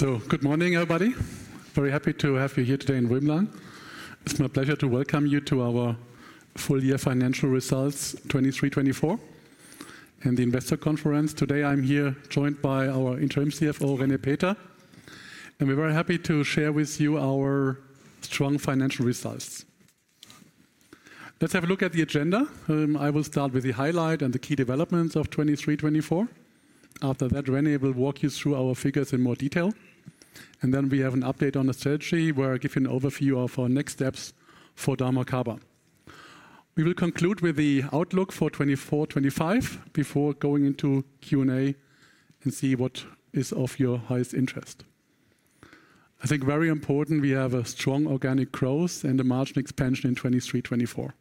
Good morning, everybody. Very happy to have you here today in Rümlang. It's my pleasure to welcome you to our full year financial results, 2023, 2024, and the investor conference. Today, I'm here joined by our interim CFO, René Peter, and we're very happy to share with you our strong financial results. Let's have a look at the agenda. I will start with the highlight and the key developments of 2023, 2024. After that, René will walk you through our figures in more detail, and then we have an update on the strategy, where I give you an overview of our next steps for dormakaba. We will conclude with the outlook for 2024, 2025, before going into Q&A and see what is of your highest interest. I think very important, we have a strong organic growth and a margin expansion in 2023, 2024.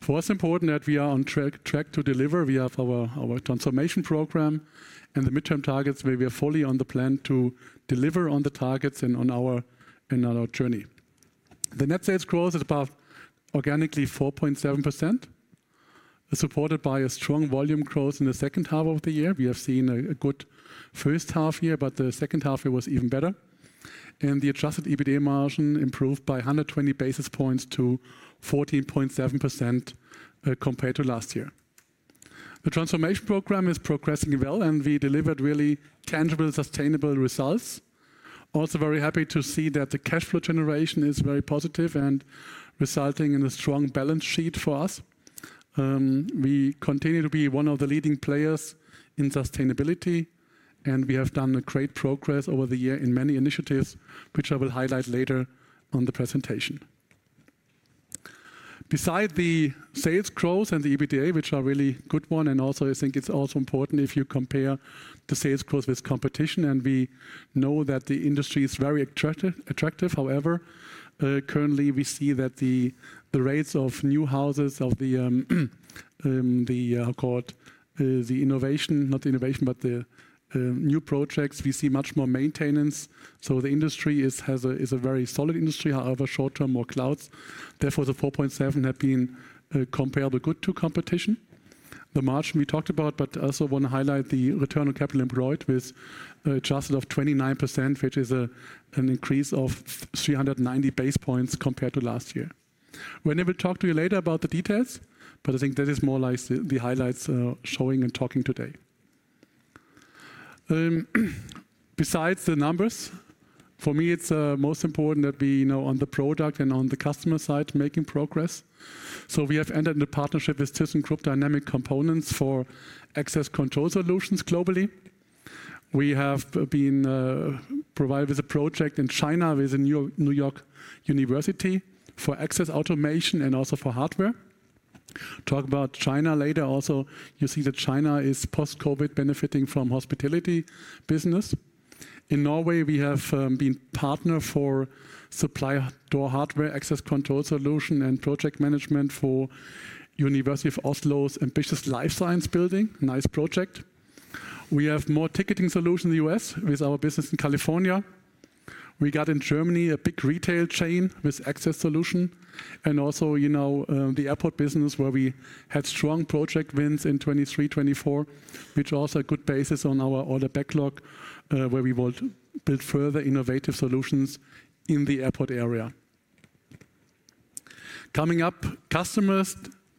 For us, it is important that we are on track to deliver. We have our transformation program and the midterm targets, where we are fully on the plan to deliver on the targets and on our journey. The net sales growth is above organically 4.7%, supported by a strong volume growth in the second half of the year. We have seen a good first half year, but the second half year was even better. The adjusted EBITDA margin improved by 120 basis points to 14.7%, compared to last year. The transformation program is progressing well, and we delivered really tangible, sustainable results. Also, very happy to see that the cash flow generation is very positive and resulting in a strong balance sheet for us. We continue to be one of the leading players in sustainability, and we have done a great progress over the year in many initiatives, which I will highlight later on the presentation. Beside the sales growth and the EBITDA, which are really good one, and also I think it's also important if you compare the sales growth with competition, and we know that the industry is very attractive. However, currently, we see that the rates of new houses of the new projects, we see much more maintenance. So the industry is a very solid industry. However, short term, more clouds. Therefore, the 4.7% have been comparable good to competition. The margin we talked about, but also want to highlight the return on capital employed with adjusted of 29%, which is an increase of 390 basis points compared to last year. René will talk to you later about the details, but I think that is more like the highlights showing and talking today. Besides the numbers, for me, it's most important that we know on the product and on the customer side, making progress. We have entered into partnership with thyssenkrupp Dynamic Components for access control solutions globally. We have been provided with a project in China, with the New York University for access automation and also for hardware. Talk about China later. Also, you see that China is post-COVID, benefiting from hospitality business. In Norway, we have been partner for supplier door hardware, access control solution, and project management for University of Oslo's ambitious Life Science Building. Nice project. We have more ticketing solution in the US with our business in California. We got in Germany a big retail chain with access solution, and also, you know, the airport business, where we had strong project wins in 2023, 2024, which are also a good basis on our order backlog, where we will build further innovative solutions in the airport area. Coming up, customer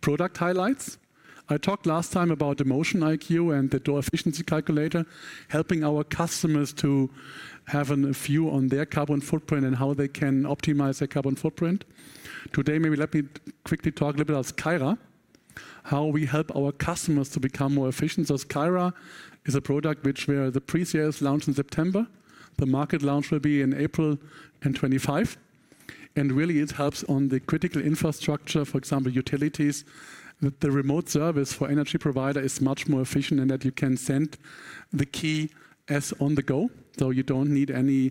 product highlights. I talked last time about the MotionIQ and the Door Efficiency Calculator, helping our customers to have a view on their carbon footprint and how they can optimize their carbon footprint. Today, maybe let me quickly talk a little bit about Kira, how we help our customers to become more efficient. So Kira is a product which we are the pre-sales launch in September. The market launch will be in April 2025, and really, it helps on the critical infrastructure, for example, utilities. The remote service for energy provider is much more efficient in that you can send the key as on the go, so you don't need any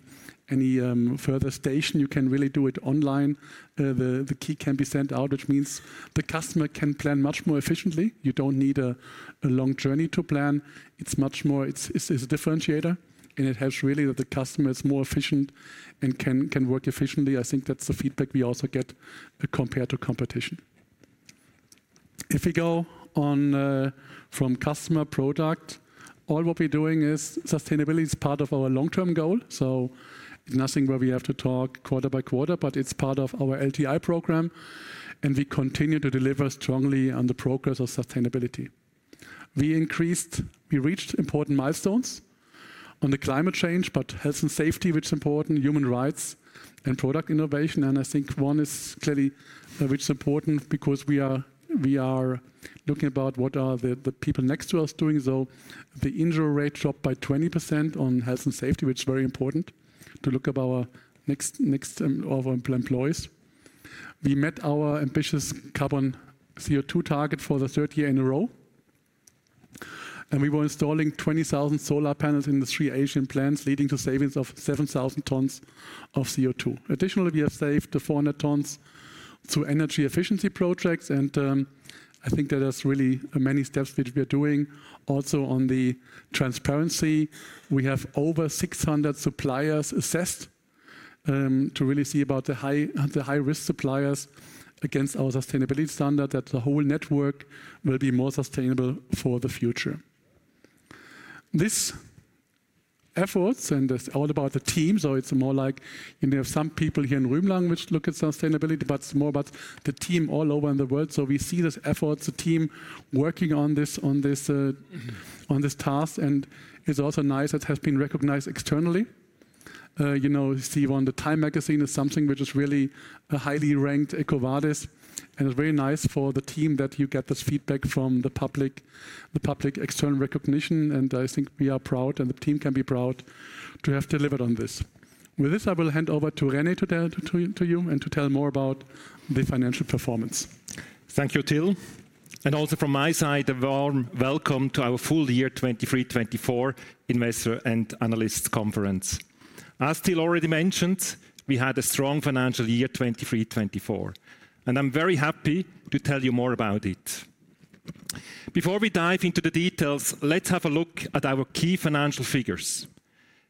further station. You can really do it online. The key can be sent out, which means the customer can plan much more efficiently. You don't need a long journey to plan. It's much more... It's a differentiator, and it helps really that the customer is more efficient and can work efficiently. I think that's the feedback we also get compared to competition. If we go on from customer product, all what we're doing is sustainability is part of our long-term goal, so nothing where we have to talk quarter by quarter, but it's part of our LTI program, and we continue to deliver strongly on the progress of sustainability. We reached important milestones on the climate change, but health and safety, which is important, human rights and product innovation, and I think one is clearly which is important because we are looking about what are the people next to us doing? So the injury rate dropped by 20% on health and safety, which is very important to look at our next of our employees. We met our ambitious carbon CO2 target for the third year in a row, and we were installing 20,000 solar panels in the three Asian plants, leading to savings of 7,000 tons of CO2. Additionally, we have saved 400 tons through energy efficiency projects, and I think that is really many steps which we are doing. Also, on the transparency, we have over 600 suppliers assessed to really see about the high, the high-risk suppliers against our sustainability standard, that the whole network will be more sustainable for the future. This efforts, and it's all about the team, so it's more like, you know, some people here in Rümlang which look at sustainability, but it's more about the team all over in the world. So we see this efforts, the team working on this task, and it's also nice that has been recognized externally. You know, you see on the TIME magazine is something which is really a highly ranked EcoVadis, and it's very nice for the team that you get this feedback from the public external recognition, and I think we are proud, and the team can be proud to have delivered on this. With this, I will hand over to René to tell you and to tell more about the financial performance. Thank you, Till. And also from my side, a warm welcome to our full year 2023/2024 investor and analyst conference. As Till already mentioned, we had a strong financial year, 2023/2024, and I'm very happy to tell you more about it. Before we dive into the details, let's have a look at our key financial figures.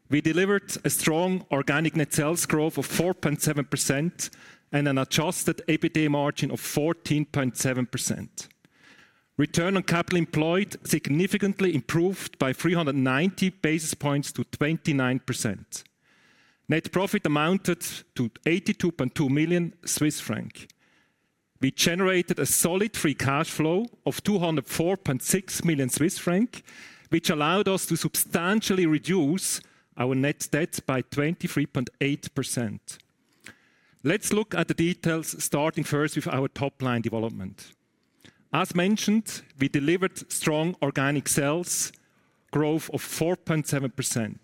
We delivered a strong organic net sales growth of 4.7% and an adjusted EBITDA margin of 14.7%. Return on capital employed significantly improved by 390 basis points to 29%. Net profit amounted to 82.2 million Swiss francs. We generated a solid free cash flow of 204.6 million Swiss francs, which allowed us to substantially reduce our net debt by 23.8%. Let's look at the details, starting first with our top-line development. As mentioned, we delivered strong organic sales growth of 4.7%.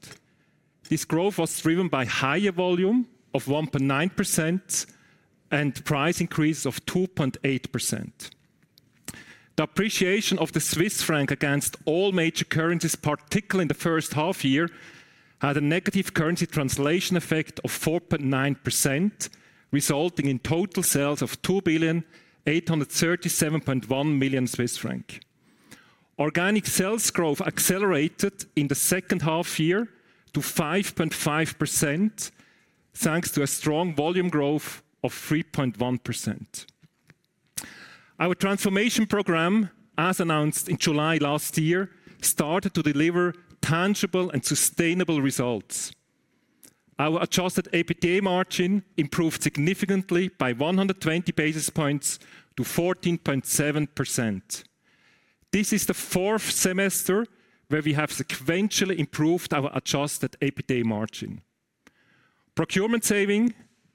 This growth was driven by higher volume of 1.9% and price increase of 2.8%. The appreciation of the Swiss franc against all major currencies, particularly in the first half year, had a negative currency translation effect of 4.9%, resulting in total sales of 2,837.1 million Swiss franc. Organic sales growth accelerated in the second half year to 5.5%, thanks to a strong volume growth of 3.1%. Our transformation program, as announced in July last year, started to deliver tangible and sustainable results. Our adjusted EBITDA margin improved significantly by 120 basis points to 14.7%. This is the fourth semester where we have sequentially improved our adjusted EBITDA margin. Procurement saving,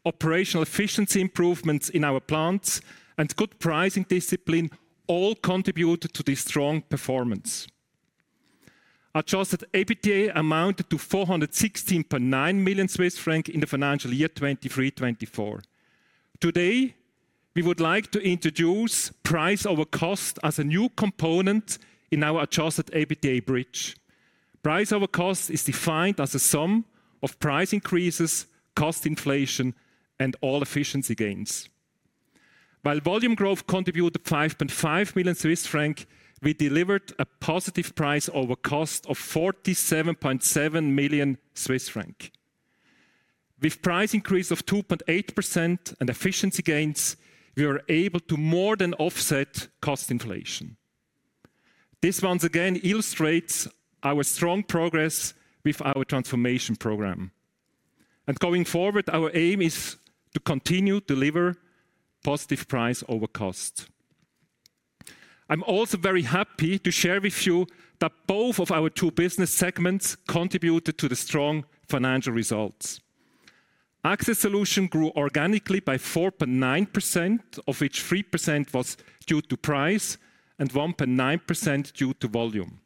operational efficiency improvements in our plants, and good pricing discipline all contributed to this strong performance. Adjusted EBITDA amounted to 416.9 million Swiss francs in the financial year 2023/2024. Today, we would like to introduce Price over Cost as a new component in our adjusted EBITDA bridge. Price over Cost is defined as a sum of price increases, cost inflation, and all efficiency gains. While volume growth contributed 5.5 million Swiss franc, we delivered a positive Price over Cost of 47.7 million Swiss franc. With price increase of 2.8% and efficiency gains, we are able to more than offset cost inflation. This once again illustrates our strong progress with our transformation program, and going forward, our aim is to continue to deliver positive Price over Cost. I'm also very happy to share with you that both of our two business segments contributed to the strong financial results. Access Solutions grew organically by 4.9%, of which 3% was due to price and 1.9% due to volume.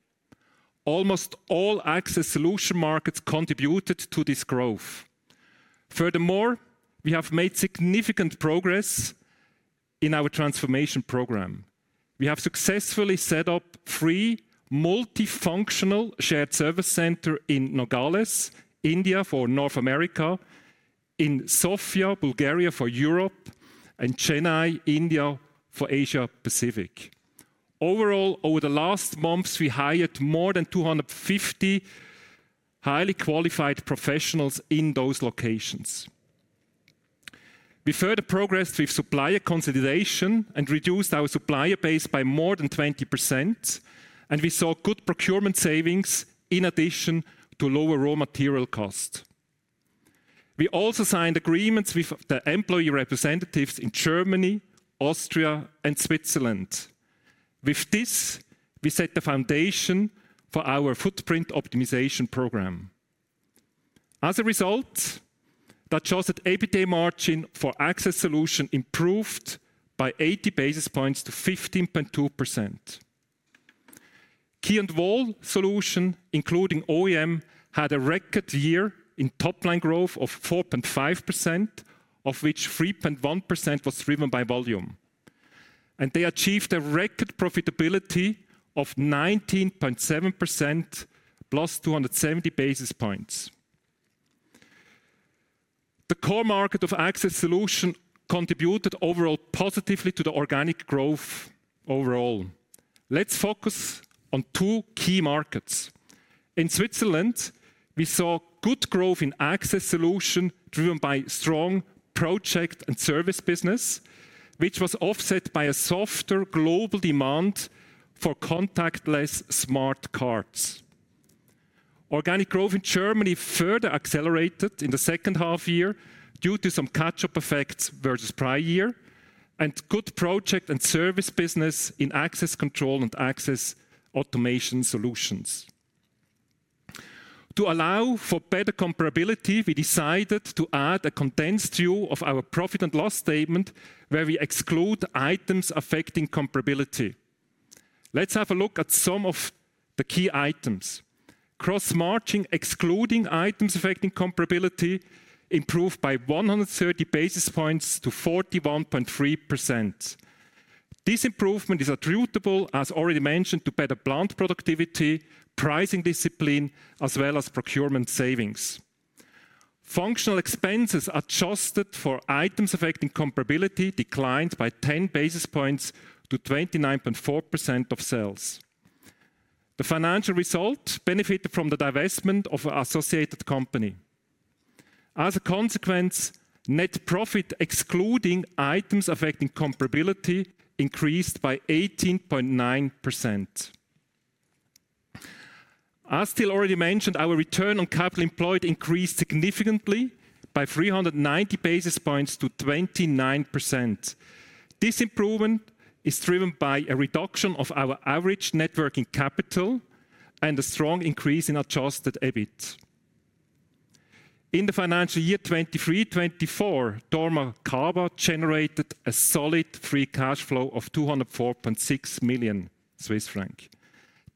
Almost all access solution markets contributed to this growth. Furthermore, we have made significant progress in our transformation program. We have successfully set up three multifunctional shared service centers in Nogales, Mexico, for North America, in Sofia, Bulgaria for Europe, and Chennai, India for Asia Pacific. Overall, over the last months, we hired more than 250 highly qualified professionals in those locations. We further progressed with supplier consolidation and reduced our supplier base by more than 20%, and we saw good procurement savings in addition to lower raw material cost. We also signed agreements with the employee representatives in Germany, Austria, and Switzerland. With this, we set the foundation for our footprint optimization program. As a result, the adjusted EBITDA margin for Access Solutions improved by eighty basis points to 15.2%. Key & Wall Solutions, including OEM, had a record year in top-line growth of 4.5%, of which 3.1% was driven by volume, and they achieved a record profitability of 19.7%, plus two hundred and seventy basis points. The core market of Access Solutions contributed overall positively to the organic growth. Let's focus on two key markets. In Switzerland, we saw good growth in Access Solutions, driven by strong project and service business, which was offset by a softer global demand for contactless smart cards. Organic growth in Germany further accelerated in the second half year due to some catch-up effects versus prior year, and good project and service business in access control and access automation solutions. To allow for better comparability, we decided to add a condensed view of our profit and loss statement, where we exclude items affecting comparability. Let's have a look at some of the key items. Gross margin, excluding items affecting comparability, improved by 130 basis points to 41.3%. This improvement is attributable, as already mentioned, to better plant productivity, pricing discipline, as well as procurement savings. Functional expenses, adjusted for items affecting comparability, declined by 10 basis points to 29.4% of sales. The financial result benefited from the divestment of an associated company. As a consequence, net profit, excluding items affecting comparability, increased by 18.9%. As Till already mentioned, our return on capital employed increased significantly by 390 basis points to 29%. This improvement is driven by a reduction of our average net working capital and a strong increase in adjusted EBIT. In the financial year twenty-three, twenty-four, dormakaba generated a solid free cash flow of 204.6 million Swiss francs.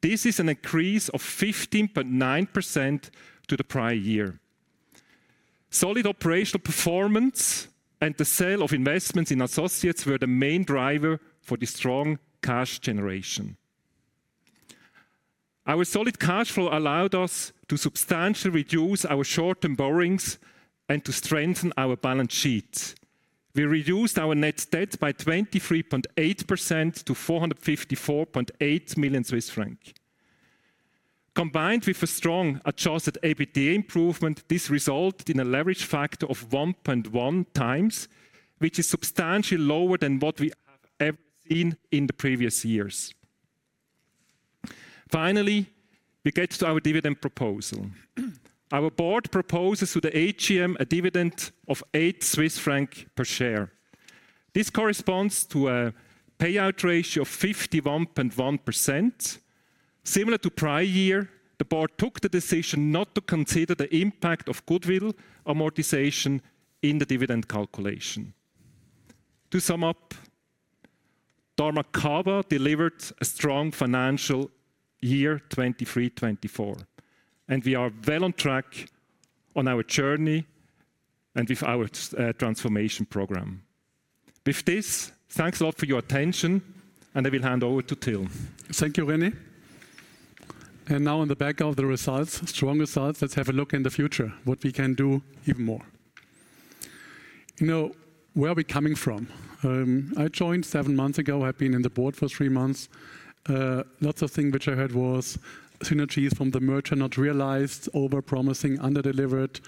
This is an increase of 15.9% to the prior year. Solid operational performance and the sale of investments in associates were the main driver for the strong cash generation. Our solid cash flow allowed us to substantially reduce our short-term borrowings and to strengthen our balance sheet. We reduced our net debt by 23.8% to 454.8 million Swiss francs. Combined with a strong Adjusted EBITDA improvement, this resulted in a leverage factor of 1.1 times, which is substantially lower than what we have ever seen in the previous years. Finally, we get to our dividend proposal. Our board proposes to the AGM a dividend of 8 Swiss francs per share. This corresponds to a payout ratio of 51.1%. Similar to prior year, the board took the decision not to consider the impact of goodwill amortization in the dividend calculation. To sum up, dormakaba delivered a strong financial year 2023-2024, and we are well on track on our journey and with our transformation program. With this, thanks a lot for your attention, and I will hand over to Till. Thank you, René. And now on the back of the results, strong results, let's have a look in the future, what we can do even more. You know, where are we coming from? I joined seven months ago. I've been in the board for three months. Lots of things which I heard was synergies from the merger not realized, over-promising, under-delivered,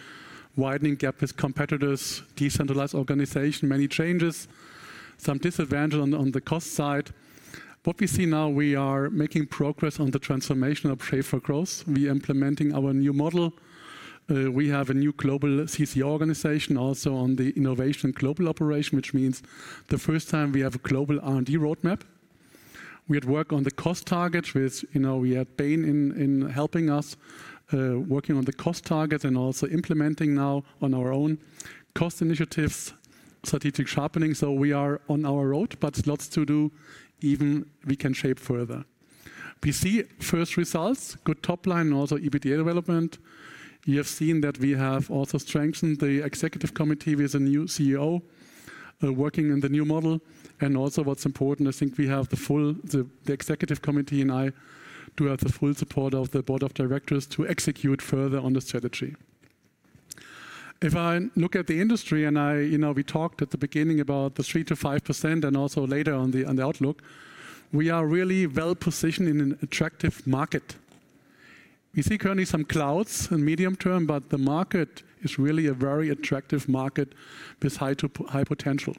widening gap with competitors, decentralized organization, many changes, some disadvantage on the cost side. What we see now, we are making progress on the transformation of Shape4Growth. We are implementing our new model. We have a new global CC organization, also on the innovation global operation, which means the first time we have a global R&D roadmap. We had worked on the cost target with, you know, we had Bain in, in helping us, working on the cost target and also implementing now on our own cost initiatives, strategic sharpening, so we are on our road, but lots to do, even we can shape further. We see first results, good top line, and also EBITDA development. You have seen that we have also strengthened the executive committee with a new CEO, working in the new model, and also, what's important, I think, the executive committee and I do have the full support of the board of directors to execute further on the strategy. If I look at the industry, and I, you know, we talked at the beginning about the 3%-5%, and also later on the outlook, we are really well-positioned in an attractive market. We see currently some clouds in medium term, but the market is really a very attractive market with high to high potential.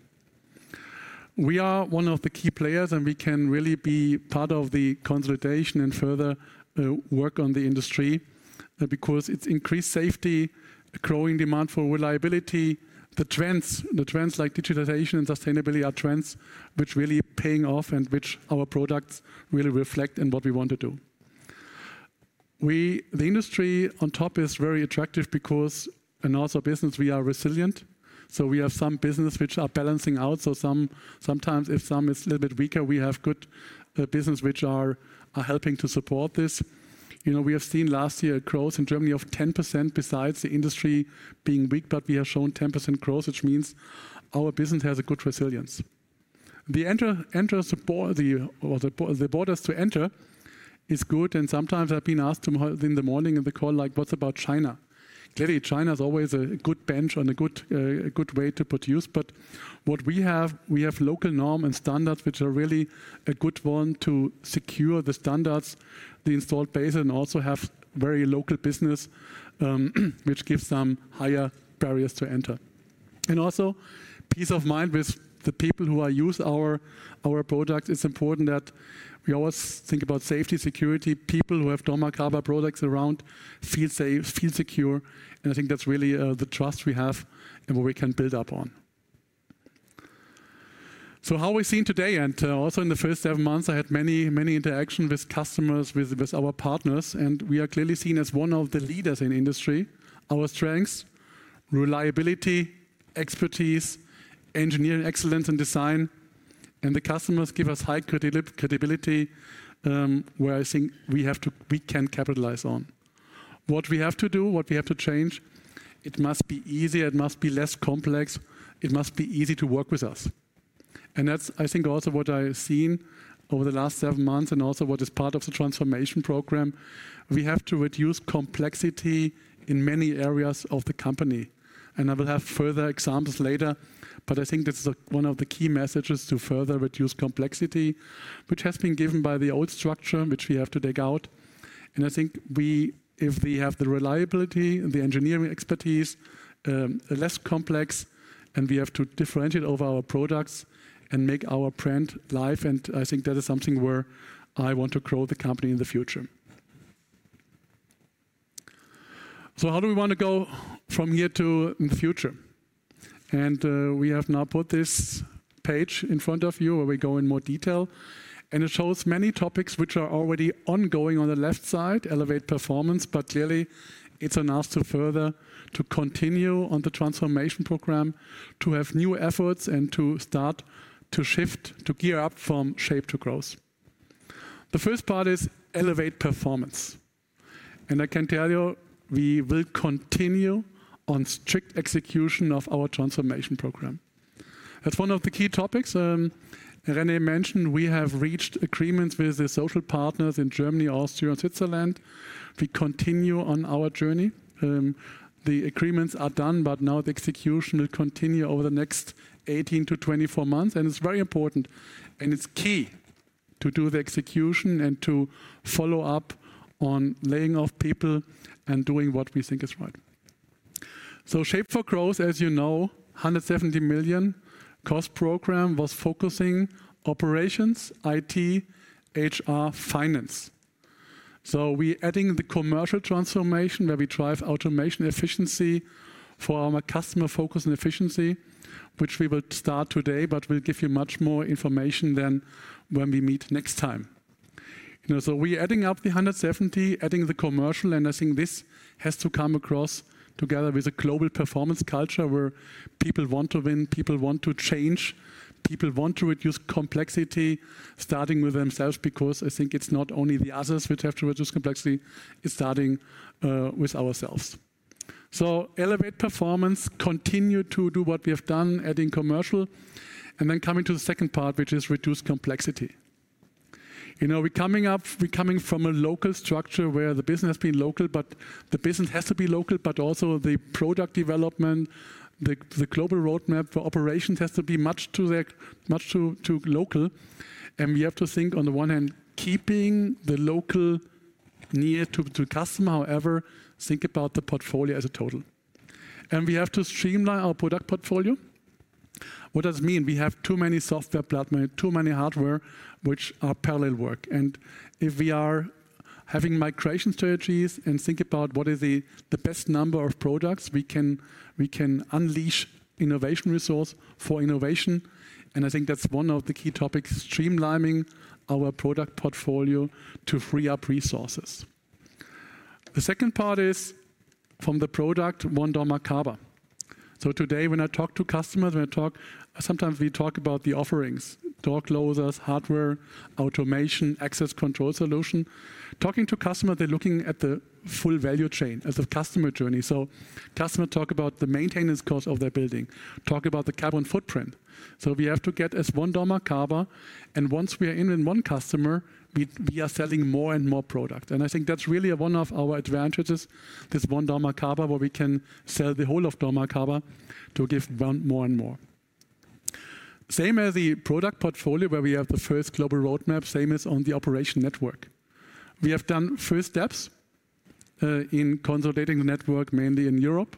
We are one of the key players, and we can really be part of the consolidation and further work on the industry because it's increased safety, a growing demand for reliability. The trends like digitization and sustainability are trends which really paying off and which our products really reflect in what we want to do. The industry on top is very attractive because in also business we are resilient, so we have some business which are balancing out. So sometimes if some is a little bit weaker, we have good business which are helping to support this. You know, we have seen last year a growth in Germany of 10%, besides the industry being weak, but we have shown 10% growth, which means our business has a good resilience. The entry barriers to entry is good, and sometimes I've been asked this morning on the call, like, "What about China?" Clearly, China is always a good benchmark and a good way to produce, but what we have, we have local norms and standards, which are really a good one to secure the standards, the installed base, and also have very local business, which gives some higher barriers to enter. And also, peace of mind with the people who use our product. It's important that we always think about safety, security. People who have dormakaba products around feel safe, feel secure, and I think that's really the trust we have and what we can build up on. So how are we seen today? And also in the first seven months, I had many, many interactions with customers, with our partners, and we are clearly seen as one of the leaders in industry. Our strengths: reliability, expertise, engineering excellence, and design, and the customers give us high credibility, where I think we can capitalize on. What we have to do, what we have to change: it must be easier, it must be less complex, it must be easy to work with us. And that's, I think, also what I have seen over the last seven months and also what is part of the transformation program. We have to reduce complexity in many areas of the company, and I will have further examples later, but I think this is one of the key messages to further reduce complexity, which has been given by the old structure, which we have to take out. And I think if we have the reliability and the engineering expertise, less complex, and we have to differentiate all of our products and make our brand live, and I think that is something where I want to grow the company in the future. So how do we want to go from here to in the future? And, we have now put this page in front of you, where we go in more detail, and it shows many topics which are already ongoing on the left side, Elevate Performance, but clearly it's on us to further continue on the transformation program, to have new efforts, and to start to shift, to gear up from Shape to Growth. The first part is Elevate Performance, and I can tell you, we will continue on strict execution of our transformation program. That's one of the key topics. René mentioned we have reached agreements with the social partners in Germany, Austria, and Switzerland. We continue on our journey. The agreements are done, but now the execution will continue over the next eighteen to twenty-four months, and it's very important, and it's key to do the execution and to follow up on laying off people and doing what we think is right. Shape4Growth, as you know, 170 million cost program, was focusing operations, IT, HR, finance. We adding the commercial transformation, where we drive automation efficiency for our customer focus and efficiency, which we will start today, but we'll give you much more information then when we meet next time. You know, so we adding up the hundred and seventy, adding the commercial, and I think this has to come across together with a global performance culture, where people want to win, people want to change, people want to reduce complexity, starting with themselves, because I think it's not only the others which have to reduce complexity, it's starting with ourselves. So elevate performance, continue to do what we have done, adding commercial, and then coming to the second part, which is reduce complexity. You know, we're coming from a local structure, where the business has been local, but the business has to be local, but also the product development, the global roadmap for operations has to be much to the local. And we have to think, on the one hand, keeping the local near to customer. However, think about the portfolio as a total. We have to streamline our product portfolio. What does it mean? We have too many software platform, too many hardware, which are parallel work, and if we are having migration strategies and think about what is the best number of products, we can unleash innovation resource for innovation, and I think that's one of the key topics: streamlining our product portfolio to free up resources. The second part is from the product One dormakaba. Today, when I talk to customers, when I talk, sometimes we talk about the offerings: door closers, hardware, automation, access control solution. Talking to customer, they're looking at the full value chain as a customer journey. Customer talk about the maintenance cost of their building, talk about the carbon footprint. So we have to get as One dormakaba, and once we are in with one customer, we are selling more and more product, and I think that's really one of our advantages, this One dormakaba, where we can sell the whole of dormakaba to give one more and more. Same as the product portfolio, where we have the first global roadmap, same as on the operation network. We have done first steps in consolidating the network, mainly in Europe,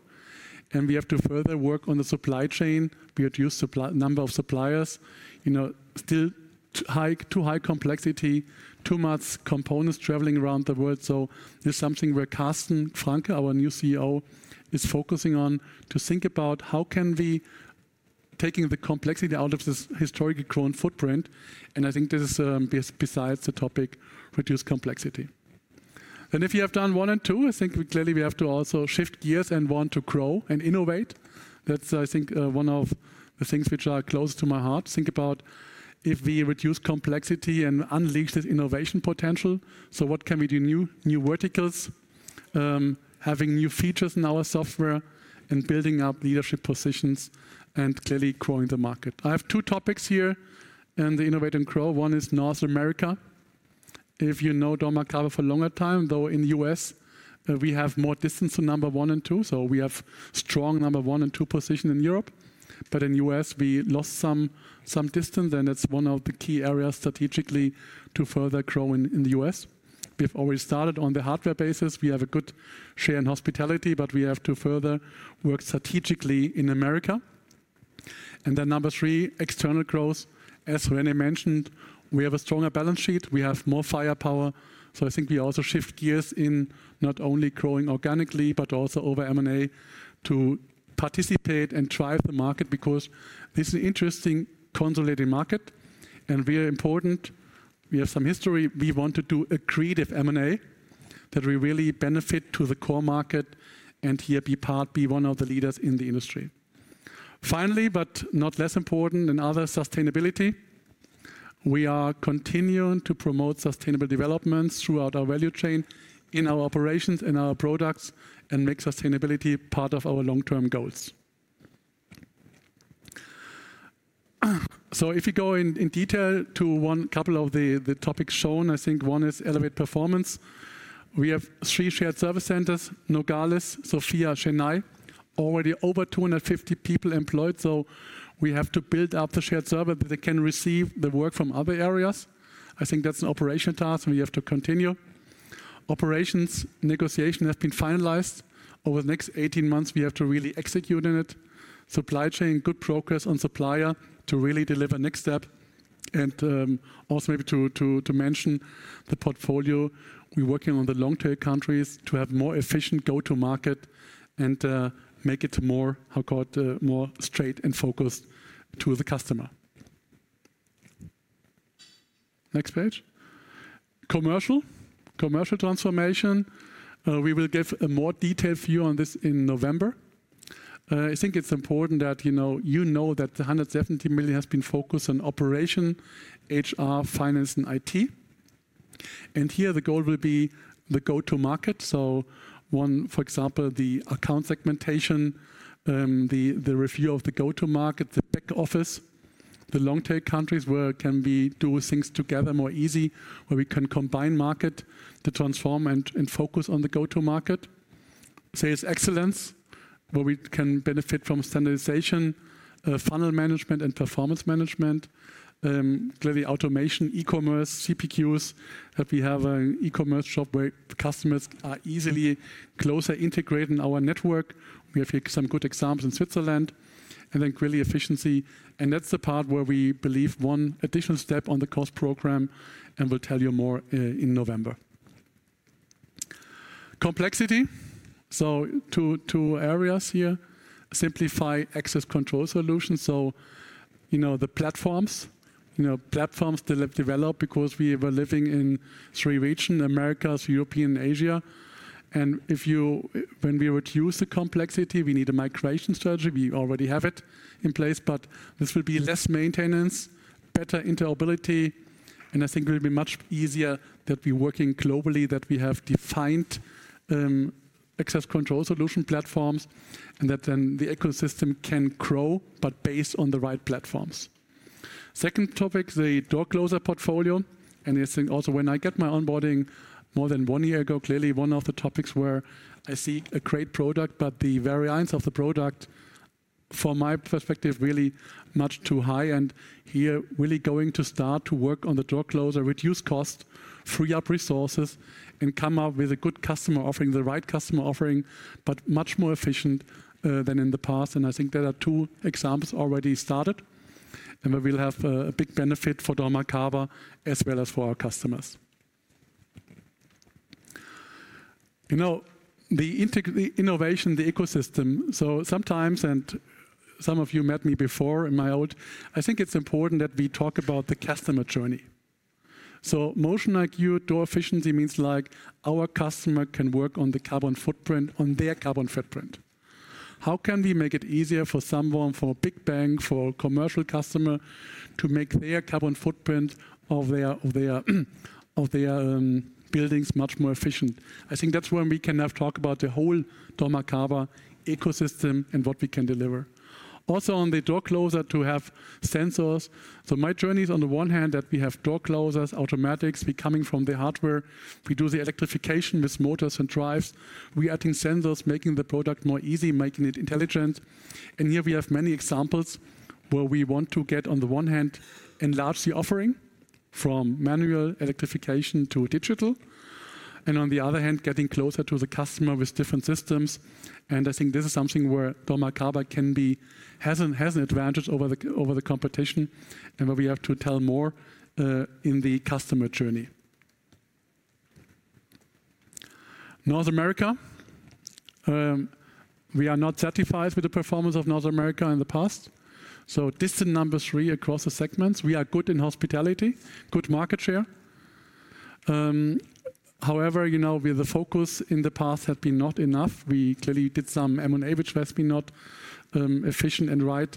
and we have to further work on the supply chain, we reduce number of suppliers. You know, still too high complexity, too much components traveling around the world. So this is something where Carsten Franke, our new COO, is focusing on, to think about: How can we taking the complexity out of this historically grown footprint? And I think this is, besides the topic, reduce complexity. And if you have done one and two, I think we clearly have to also shift gears and want to grow and innovate. That's, I think, one of the things which are close to my heart. Think about if we reduce complexity and unleash this innovation potential, so what can we do? New verticals, having new features in our software and building up leadership positions and clearly growing the market. I have two topics here in the innovate and grow. One is North America. If you know dormakaba for a longer time, though, in the U.S., we have more distance to number one and two, so we have strong number one and two position in Europe. But in U.S., we lost some distance, and that's one of the key areas strategically to further grow in the U.S. We've already started on the hardware basis. We have a good share in hospitality, but we have to further work strategically in America. And then number three, external growth. As René mentioned, we have a stronger balance sheet. We have more firepower, so I think we also shift gears in not only growing organically, but also over M&A, to participate and drive the market, because this is an interesting consolidated market, and very important, we have some history. We want to do accretive M&A, that will really benefit to the core market, and here be part, be one of the leaders in the industry. Finally, but not less important than other, sustainability. We are continuing to promote sustainable developments throughout our value chain, in our operations, in our products, and make sustainability part of our long-term goals, so if you go in detail to one couple of the topics shown, I think one is elevate performance. We have three shared service centers: Nogales, Sofia, Chennai. Already over 250 people employed, so we have to build up the shared service, so they can receive the work from other areas. I think that's an operation task we have to continue. Operations negotiation have been finalized. Over the next 18 months, we have to really execute on it. Supply chain, good progress on supplier to really deliver next step. Also maybe to mention the portfolio, we're working on the long tail countries to have more efficient go-to-market and make it more straight and focused to the customer. Next page. Commercial. Commercial transformation. We will give a more detailed view on this in November. I think it's important that you know that the 170 million has been focused on operation, HR, finance, and IT. And here, the goal will be the go-to-market. So one, for example, the account segmentation, the review of the go-to-market, the back office, the long tail countries, where can we do things together more easy, where we can combine market to transform and focus on the go-to-market. Sales excellence, where we can benefit from standardization, funnel management and performance management. Clearly automation, e-commerce, CPQs, that we have an e-commerce shop where customers are easily closer integrated in our network. We have here some good examples in Switzerland. Then, clearly, efficiency, and that's the part where we believe one additional step on the cost program, and we'll tell you more in November. Complexity. So two areas here: simplify access control solutions, so, you know, the platforms. You know, platforms develop because we were living in three regions, Americas, Europe, and Asia. If you-- when we reduce the complexity, we need a migration strategy. We already have it in place, but this will be less maintenance, better interoperability, and I think it will be much easier that we working globally, that we have defined access control solution platforms, and that then the ecosystem can grow, but based on the right platforms. Second topic, the door closer portfolio, and this thing also, when I get my onboarding more than one year ago, clearly one of the topics where I see a great product, but the variance of the product, from my perspective, really much too high, and here really going to start to work on the door closer, reduce cost, free up resources, and come up with a good customer offering, the right customer offering, but much more efficient than in the past. I think there are two examples already started, and we will have a big benefit for dormakaba as well as for our customers. You know, the innovation, the ecosystem. So sometimes, and some of you met me before in my old... I think it's important that we talk about the customer journey. MotionIQ, Door Efficiency, means like our customer can work on the carbon footprint, on their carbon footprint. How can we make it easier for someone, for a big bank, for a commercial customer, to make their carbon footprint of their buildings much more efficient? I think that's when we can have talk about the whole dormakaba ecosystem and what we can deliver. Also, on the door closer, to have sensors. My journey is, on the one hand, that we have door closers, automatics, we coming from the hardware. We do the electrification with motors and drives. We adding sensors, making the product more easy, making it intelligent. Here we have many examples where we want to get, on the one hand, enlarge the offering from manual electrification to digital, and on the other hand, getting closer to the customer with different systems. I think this is something where dormakaba has an advantage over the competition, and where we have to tell more in the customer journey. North America. We are not satisfied with the performance of North America in the past, so distant number three across the segments. We are good in hospitality, good market share. However, you know, where the focus in the past has been not enough. We clearly did some M&A, which has been not efficient and right,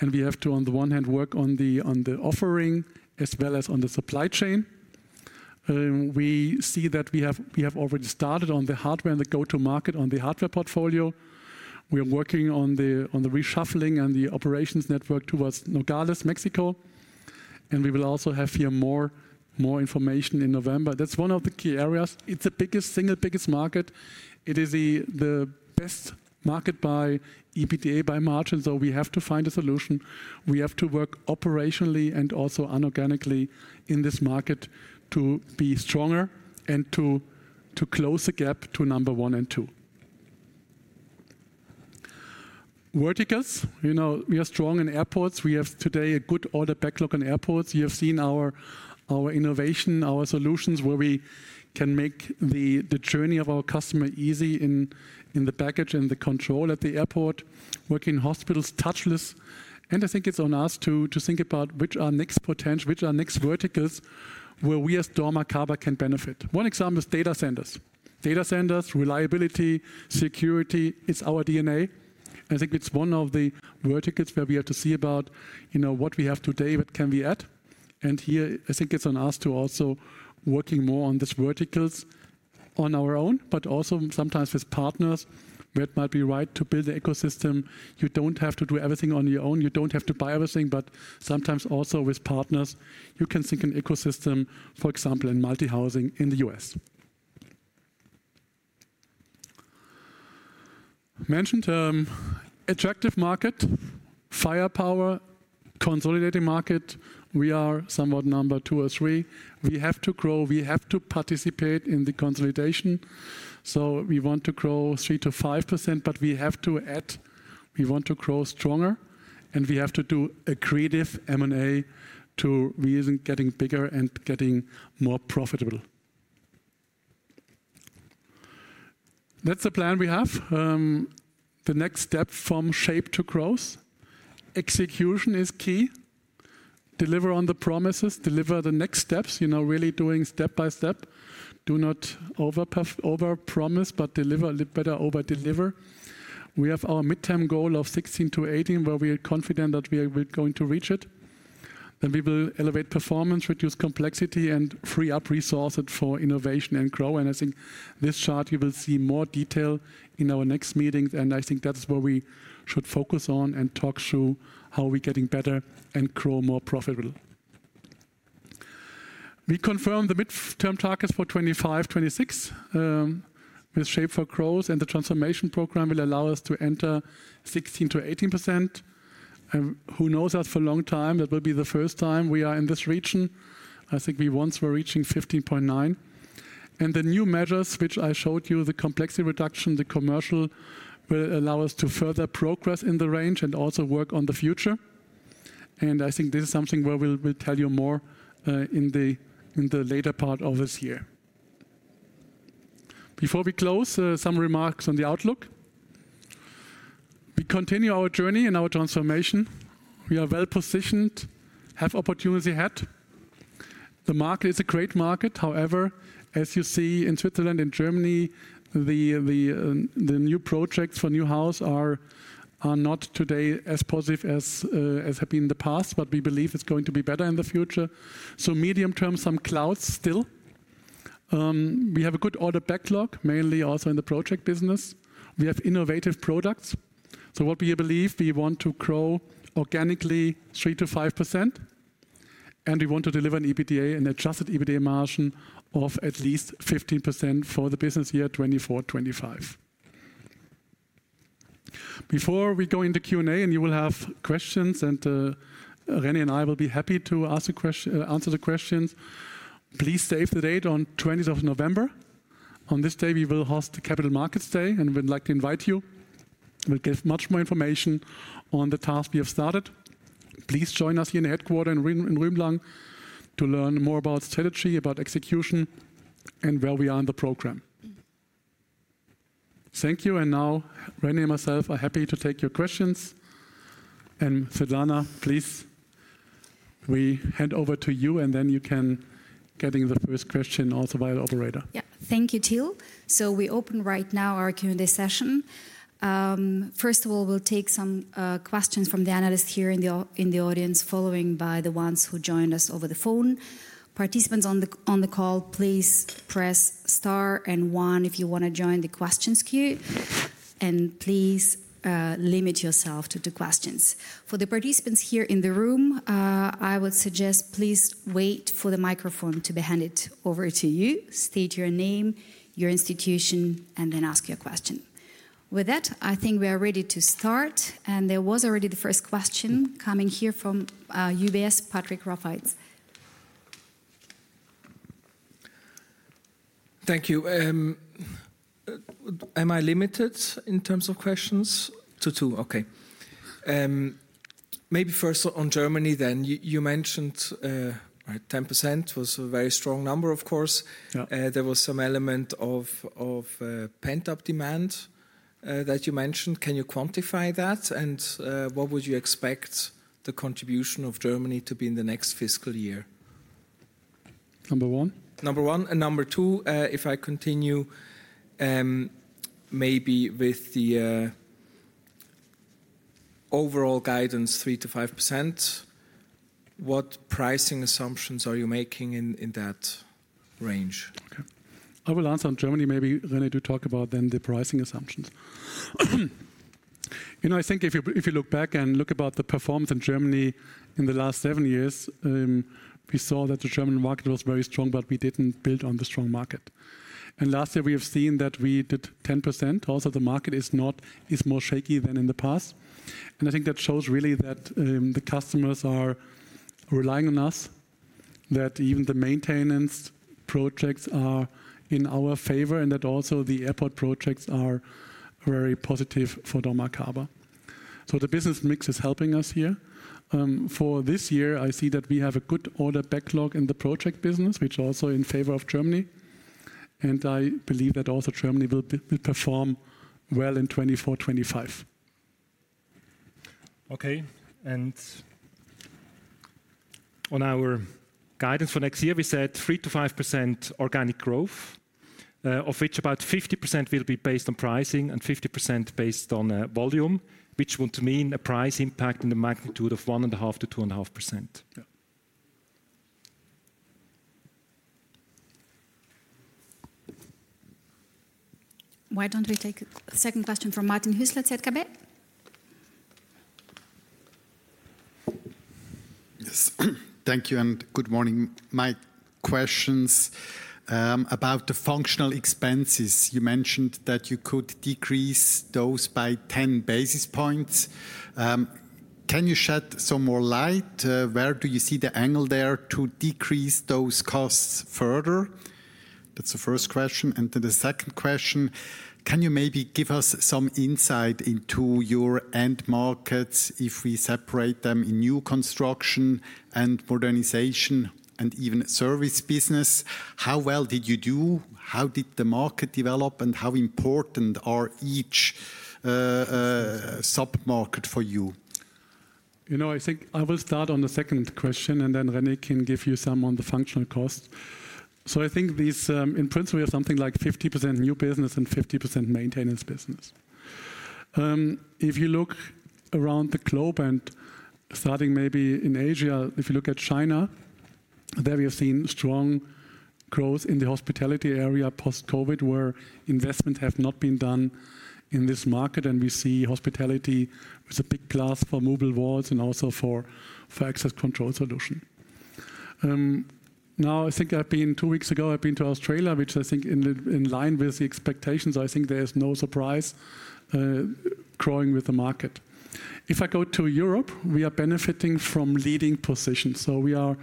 and we have to, on the one hand, work on the offering as well as on the supply chain. We see that we have already started on the hardware and the go-to-market on the hardware portfolio. We are working on the reshuffling and the operations network towards Nogales, Mexico, and we will also have here more information in November. That's one of the key areas. It's the biggest, single biggest market. It is the best market by EBITDA, by margin, so we have to find a solution. We have to work operationally and also inorganically in this market to be stronger and to close the gap to number one and two. Verticals. You know, we are strong in airports. We have today a good order backlog in airports. You have seen our innovation, our solutions, where we can make the journey of our customer easy in the baggage and the control at the airport, work in hospitals touchless. I think it's on us to think about which are next verticals where we, as dormakaba, can benefit. One example is data centers. Data centers, reliability, security, it's our DNA, and I think it's one of the verticals where we have to see about, you know, what we have today, what can we add? And here, I think it's on us to also working more on these verticals on our own, but also sometimes with partners, where it might be right to build an ecosystem. You don't have to do everything on your own. You don't have to buy everything, but sometimes also with partners, you can think an ecosystem, for example, in multi-housing in the US. Mentioned attractive market, firepower, consolidating market. We are somewhat number two or three. We have to grow. We have to participate in the consolidation, so we want to grow 3-5%, but we have to add. We want to grow stronger, and we have to do a creative M&A to get bigger and getting more profitable. That's the plan we have. The next step from Shape4Growth, execution is key. Deliver on the promises, deliver the next steps, you know, really doing step by step. Do not overpromise, but deliver a little better, over-deliver. We have our midterm goal of 16-18, where we are confident that we are going to reach it. Then we will elevate performance, reduce complexity, and free up resources for innovation and growth. I think this chart, you will see more detail in our next meeting, and I think that's where we should focus on and talk through how we're getting better and grow more profitable. We confirm the midterm targets for 2025, 2026, with Shape4Growth, and the transformation program will allow us to enter 16%-18%. Who knows us for a long time, that will be the first time we are in this region. I think we once were reaching 15.9%. And the new measures, which I showed you, the complexity reduction, the commercial, will allow us to further progress in the range and also work on the future. And I think this is something where we'll, we'll tell you more, in the later part of this year. Before we close, some remarks on the outlook. We continue our journey and our transformation. We are well-positioned, have opportunity ahead. The market is a great market, however, as you see in Switzerland and Germany, the new projects for new house are not today as positive as have been in the past, but we believe it's going to be better in the future. So medium term, some clouds still. We have a good order backlog, mainly also in the project business. We have innovative products. So what we believe, we want to grow organically 3%-5%, and we want to deliver an adjusted EBITDA margin of at least 15% for the business year 2024-2025. Before we go into Q&A, and you will have questions, and René and I will be happy to ask the question, answer the questions. Please save the date on twentieth of November. On this day, we will host the Capital Markets Day, and we'd like to invite you. We'll give much more information on the task we have started. Please join us here in the headquarters in Rümlang to learn more about strategy, about execution, and where we are in the program. Thank you, and now René and myself are happy to take your questions. Svetlana, please, we hand over to you, and then you can get the first question also by the operator. Yeah. Thank you, Till. So we open right now our Q&A session. First of all, we'll take some questions from the analysts here in the audience, followed by the ones who joined us over the phone. Participants on the call, please press star and one if you want to join the questions queue, and please limit yourself to two questions. For the participants here in the room, I would suggest, please wait for the microphone to be handed over to you. State your name, your institution, and then ask your question. With that, I think we are ready to start, and there was already the first question coming here from UBS, Patrick Rafaisz. Thank you. Am I limited in terms of questions? To two, okay. Maybe first on Germany, then. You mentioned, right, 10% was a very strong number, of course. Yeah. There was some element of pent-up demand that you mentioned. Can you quantify that? And what would you expect the contribution of Germany to be in the next fiscal year? Number one? Number one, and number two, if I continue, maybe with the overall guidance 3%-5%, what pricing assumptions are you making in that range? Okay. I will answer on Germany, maybe René do talk about then the pricing assumptions. You know, I think if you look back and look about the performance in Germany in the last seven years, we saw that the German market was very strong, but we didn't build on the strong market. And last year we have seen that we did 10%. Also, the market is more shaky than in the past. And I think that shows really that the customers are relying on us, that even the maintenance projects are in our favor, and that also the airport projects are very positive for dormakaba. So the business mix is helping us here. For this year, I see that we have a good order backlog in the project business, which is also in favor of Germany, and I believe that also Germany will perform well in 2024, 2025. Okay, and on our guidance for next year, we said 3%-5% organic growth, of which about 50% will be based on pricing and 50% based on volume, which would mean a price impact in the magnitude of 1.5%-2.5%. Yeah. Why don't we take a second question from Martin Hüsler at ZKB? Yes. Thank you and good morning. My question's about the functional expenses. You mentioned that you could decrease those by ten basis points. Can you shed some more light? Where do you see the angle there to decrease those costs further? That's the first question. And then the second question: Can you maybe give us some insight into your end markets if we separate them in new construction and modernization and even service business? How well did you do? How did the market develop, and how important are each sub-market for you? You know, I think I will start on the second question, and then René can give you some on the functional costs. So I think these, in principle, are something like 50% new business and 50% maintenance business. If you look around the globe and starting maybe in Asia, if you look at China, there we have seen strong growth in the hospitality area post-COVID, where investment have not been done in this market, and we see hospitality as a big class for mobile walls and also for, for access control solution. Now, I think I've been two weeks ago to Australia, which I think in line with the expectations. I think there is no surprise, growing with the market. If I go to Europe, we are benefiting from leading positions. So we are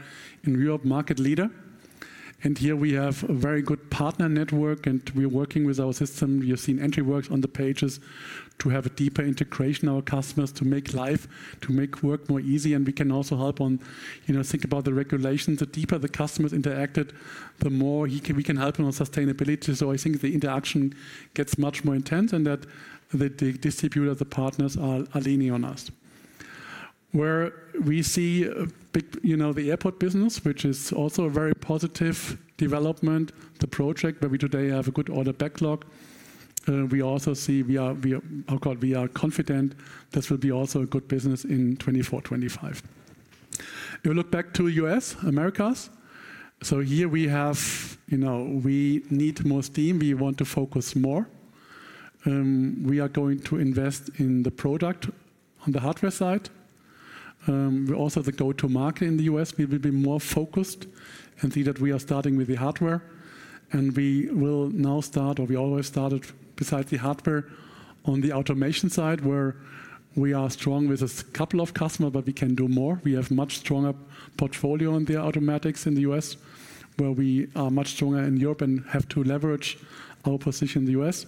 in Europe, market leader, and here we have a very good partner network, and we are working with our system. We have seen entry works on the pages to have a deeper integration, our customers, to make life, to make work more easy. And we can also help on, you know, think about the regulations. The deeper the customers interacted, the more he can, we can help him on sustainability. So I think the interaction gets much more intense and that the distributor, the partners are leaning on us. Where we see a big, you know, the airport business, which is also a very positive development, the project, where we today have a good order backlog. We also see we are, how call it, we are confident this will be also a good business in 2024, 2025. If you look back to U.S., Americas, so here we have, you know, we need more steam. We want to focus more. We are going to invest in the product on the hardware side. We also the go-to market in the U.S. We will be more focused and see that we are starting with the hardware, and we will now start, or we always started, beside the hardware, on the automation side, where we are strong with a couple of customer, but we can do more. We have much stronger portfolio on the automatics in the U.S., where we are much stronger in Europe and have to leverage our position in the U.S.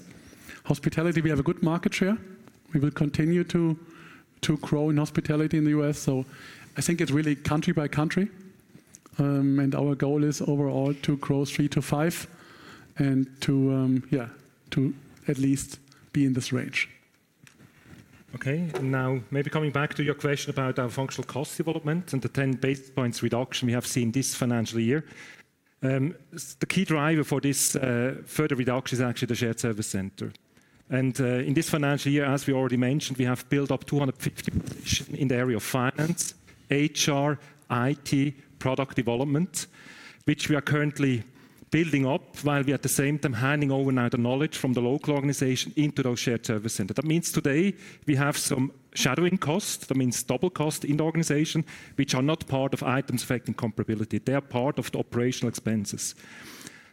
Hospitality, we have a good market share. We will continue to grow in hospitality in the U.S. I think it's really country by country, and our goal is overall to grow three to five and to, yeah, to at least be in this range. Okay, now maybe coming back to your question about our functional cost development and the 10 basis points reduction we have seen this financial year. The key driver for this, further reduction is actually the shared service center, and in this financial year, as we already mentioned, we have built up 250 positions in the area of finance, HR, IT, product development, which we are currently building up, while we at the same time handing over now the knowledge from the local organization into those shared service centers. That means today we have some shadowing costs. That means double costs in the organization, which are not part of items affecting comparability. They are part of the operational expenses.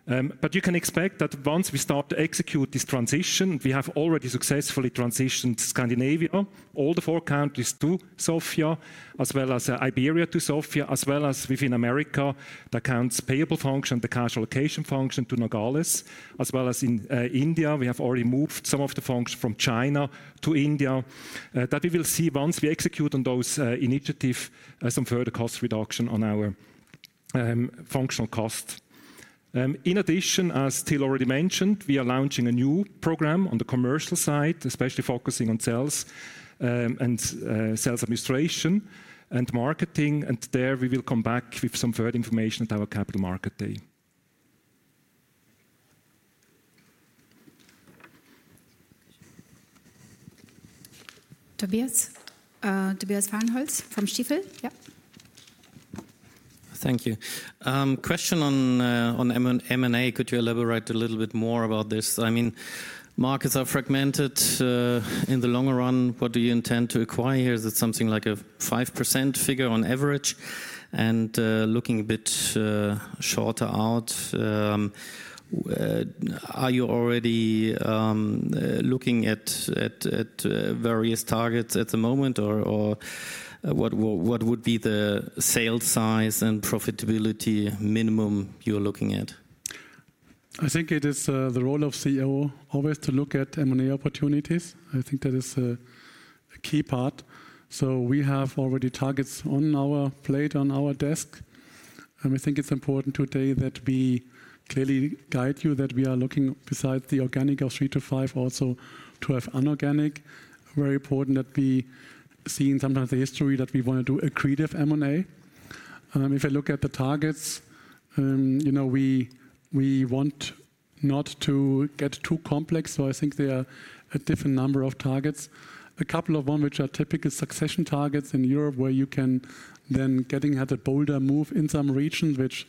But you can expect that once we start to execute this transition, we have already successfully transitioned Scandinavia, all the four countries to Sofia, as well as Iberia to Sofia, as well as within America, the accounts payable function, the cash allocation function to Nogales, as well as in India. We have already moved some of the functions from China to India. That we will see once we execute on those initiative some further cost reduction on our functional cost. In addition, as Till already mentioned, we are launching a new program on the commercial side, especially focusing on sales and sales administration and marketing, and there we will come back with some further information at our capital market day.... Tobias, Tobias Fahrenholz from Stifel. Yeah. Thank you. Question on M&A. Could you elaborate a little bit more about this? I mean, markets are fragmented. In the long run, what do you intend to acquire here? Is it something like a 5% figure on average? And, looking a bit shorter out, are you already looking at various targets at the moment? Or, what would be the sales size and profitability minimum you're looking at? I think it is, the role of CEO always to look at M&A opportunities. I think that is, a key part. So we have already targets on our plate, on our desk, and we think it's important today that we clearly guide you, that we are looking beside the organic of three to five, also to have inorganic. Very important that we, seeing sometimes the history, that we want to do accretive M&A. If you look at the targets, you know, we, we want not to get too complex, so I think there are a different number of targets. A couple of them, which are typical succession targets in Europe, where you can then getting at a bolder move in some region, which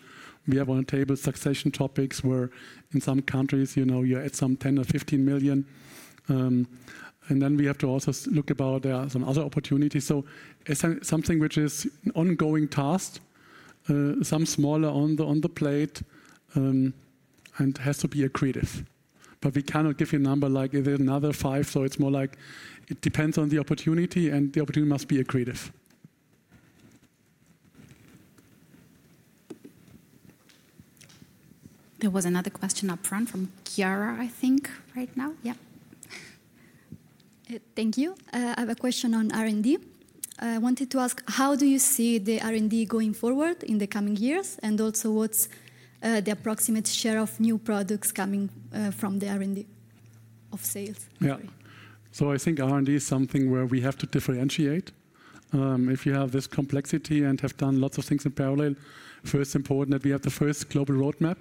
we have on the table, succession topics, where in some countries, you know, you're at some 10 million or 15 million. And then we have to also look about some other opportunities. So it's something which is ongoing task, some smaller on the plate, and has to be accretive. But we cannot give you a number like it is another five. So it's more like it depends on the opportunity, and the opportunity must be accretive. There was another question up front from Chiara, I think, right now. Yeah. Thank you. I have a question on R&D. I wanted to ask: How do you see the R&D going forward in the coming years? And also, what's the approximate share of new products coming from the R&D, of sales? Yeah. So I think R&D is something where we have to differentiate. If you have this complexity and have done lots of things in parallel, first important that we have the first global roadmap.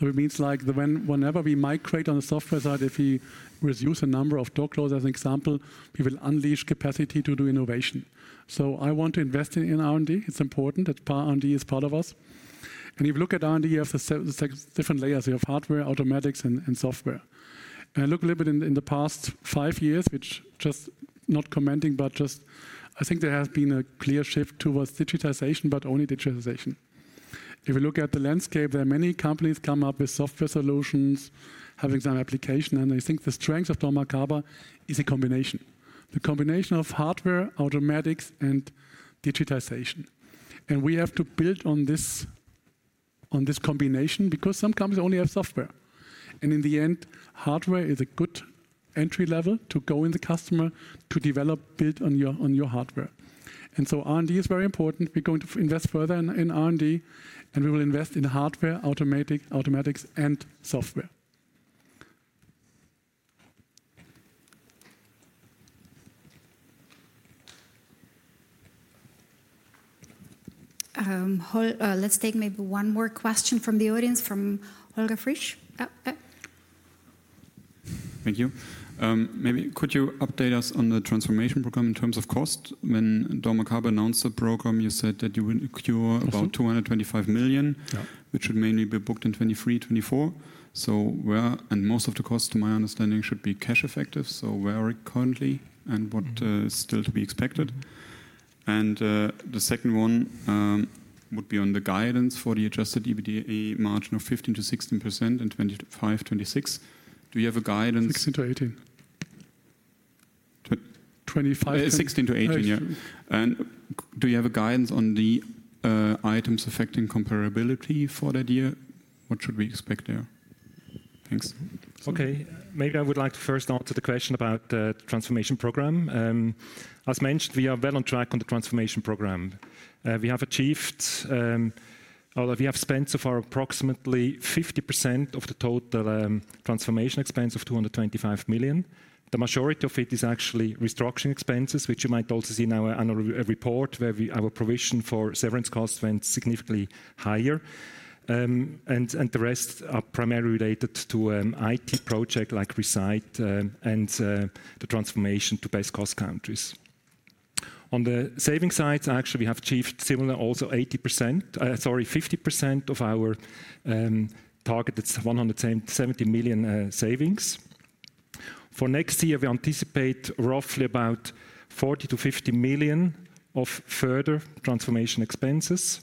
So it means like whenever we migrate on the software side, if we reduce a number of door close, as an example, we will unleash capacity to do innovation. So I want to invest in R&D. It's important that R&D is part of us. And if you look at R&D, you have the different layers. You have hardware, automatics, and software. And I look a little bit in the past five years, which just not commenting, but just I think there has been a clear shift towards digitization, but only digitization. If you look at the landscape, there are many companies come up with software solutions, having some application, and I think the strength of dormakaba is a combination. The combination of hardware, automatics, and digitization. And we have to build on this, on this combination, because some companies only have software. And in the end, hardware is a good entry level to go in the customer to develop, build on your, on your hardware. And so R&D is very important. We're going to invest further in, in R&D, and we will invest in hardware, automatic, automatics and software. Let's take maybe one more question from the audience, from Olga Frisch. Thank you. Maybe could you update us on the transformation program in terms of cost? When dormakaba announced the program, you said that you would procure- Also-... about 225 million- Yeah... which would mainly be booked in 2023, 2024. So where, and most of the cost, to my understanding, should be cash effective. So where are we currently, and what is still to be expected? And the second one would be on the guidance for the adjusted EBITDA, a margin of 15%-16% in 2025, 2026. Do you have a guidance? 16%-18%. Tw- Twenty-five-, yeah. 16%-18% Yes. Do you have a guidance on the Items Affecting Comparability for that year? What should we expect there? Thanks. Okay. Maybe I would like to first answer the question about the transformation program. As mentioned, we are well on track on the transformation program. We have achieved. Although we have spent so far approximately 50% of the total transformation expense of 225 million, the majority of it is actually restructuring expenses, which you might also see in our annual report, where our provision for severance costs went significantly higher. And the rest are primarily related to IT project like ReSite and the transformation to base cost countries. On the saving side, actually, we have achieved similar, also 80%, sorry, 50% of our target, that's 170 million savings. For next year, we anticipate roughly about 40 million-50 million of further transformation expenses,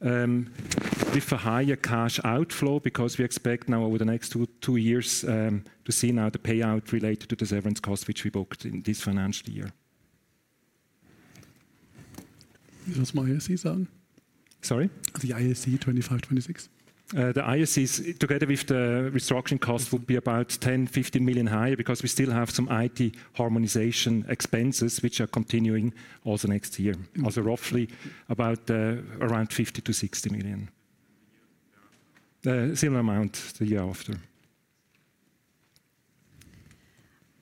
with a higher cash outflow, because we expect now over the next two years to see now the payout related to the severance cost, which we booked in this financial year. Is my ISC on? Sorry? The ISC 2025, 2026. The ISCs, together with the restructuring cost, will be about 10-15 million higher because we still have some IT harmonization expenses, which are continuing all the next year. Also, roughly about around 50 million-60 million. Yeah. Similar amount the year after.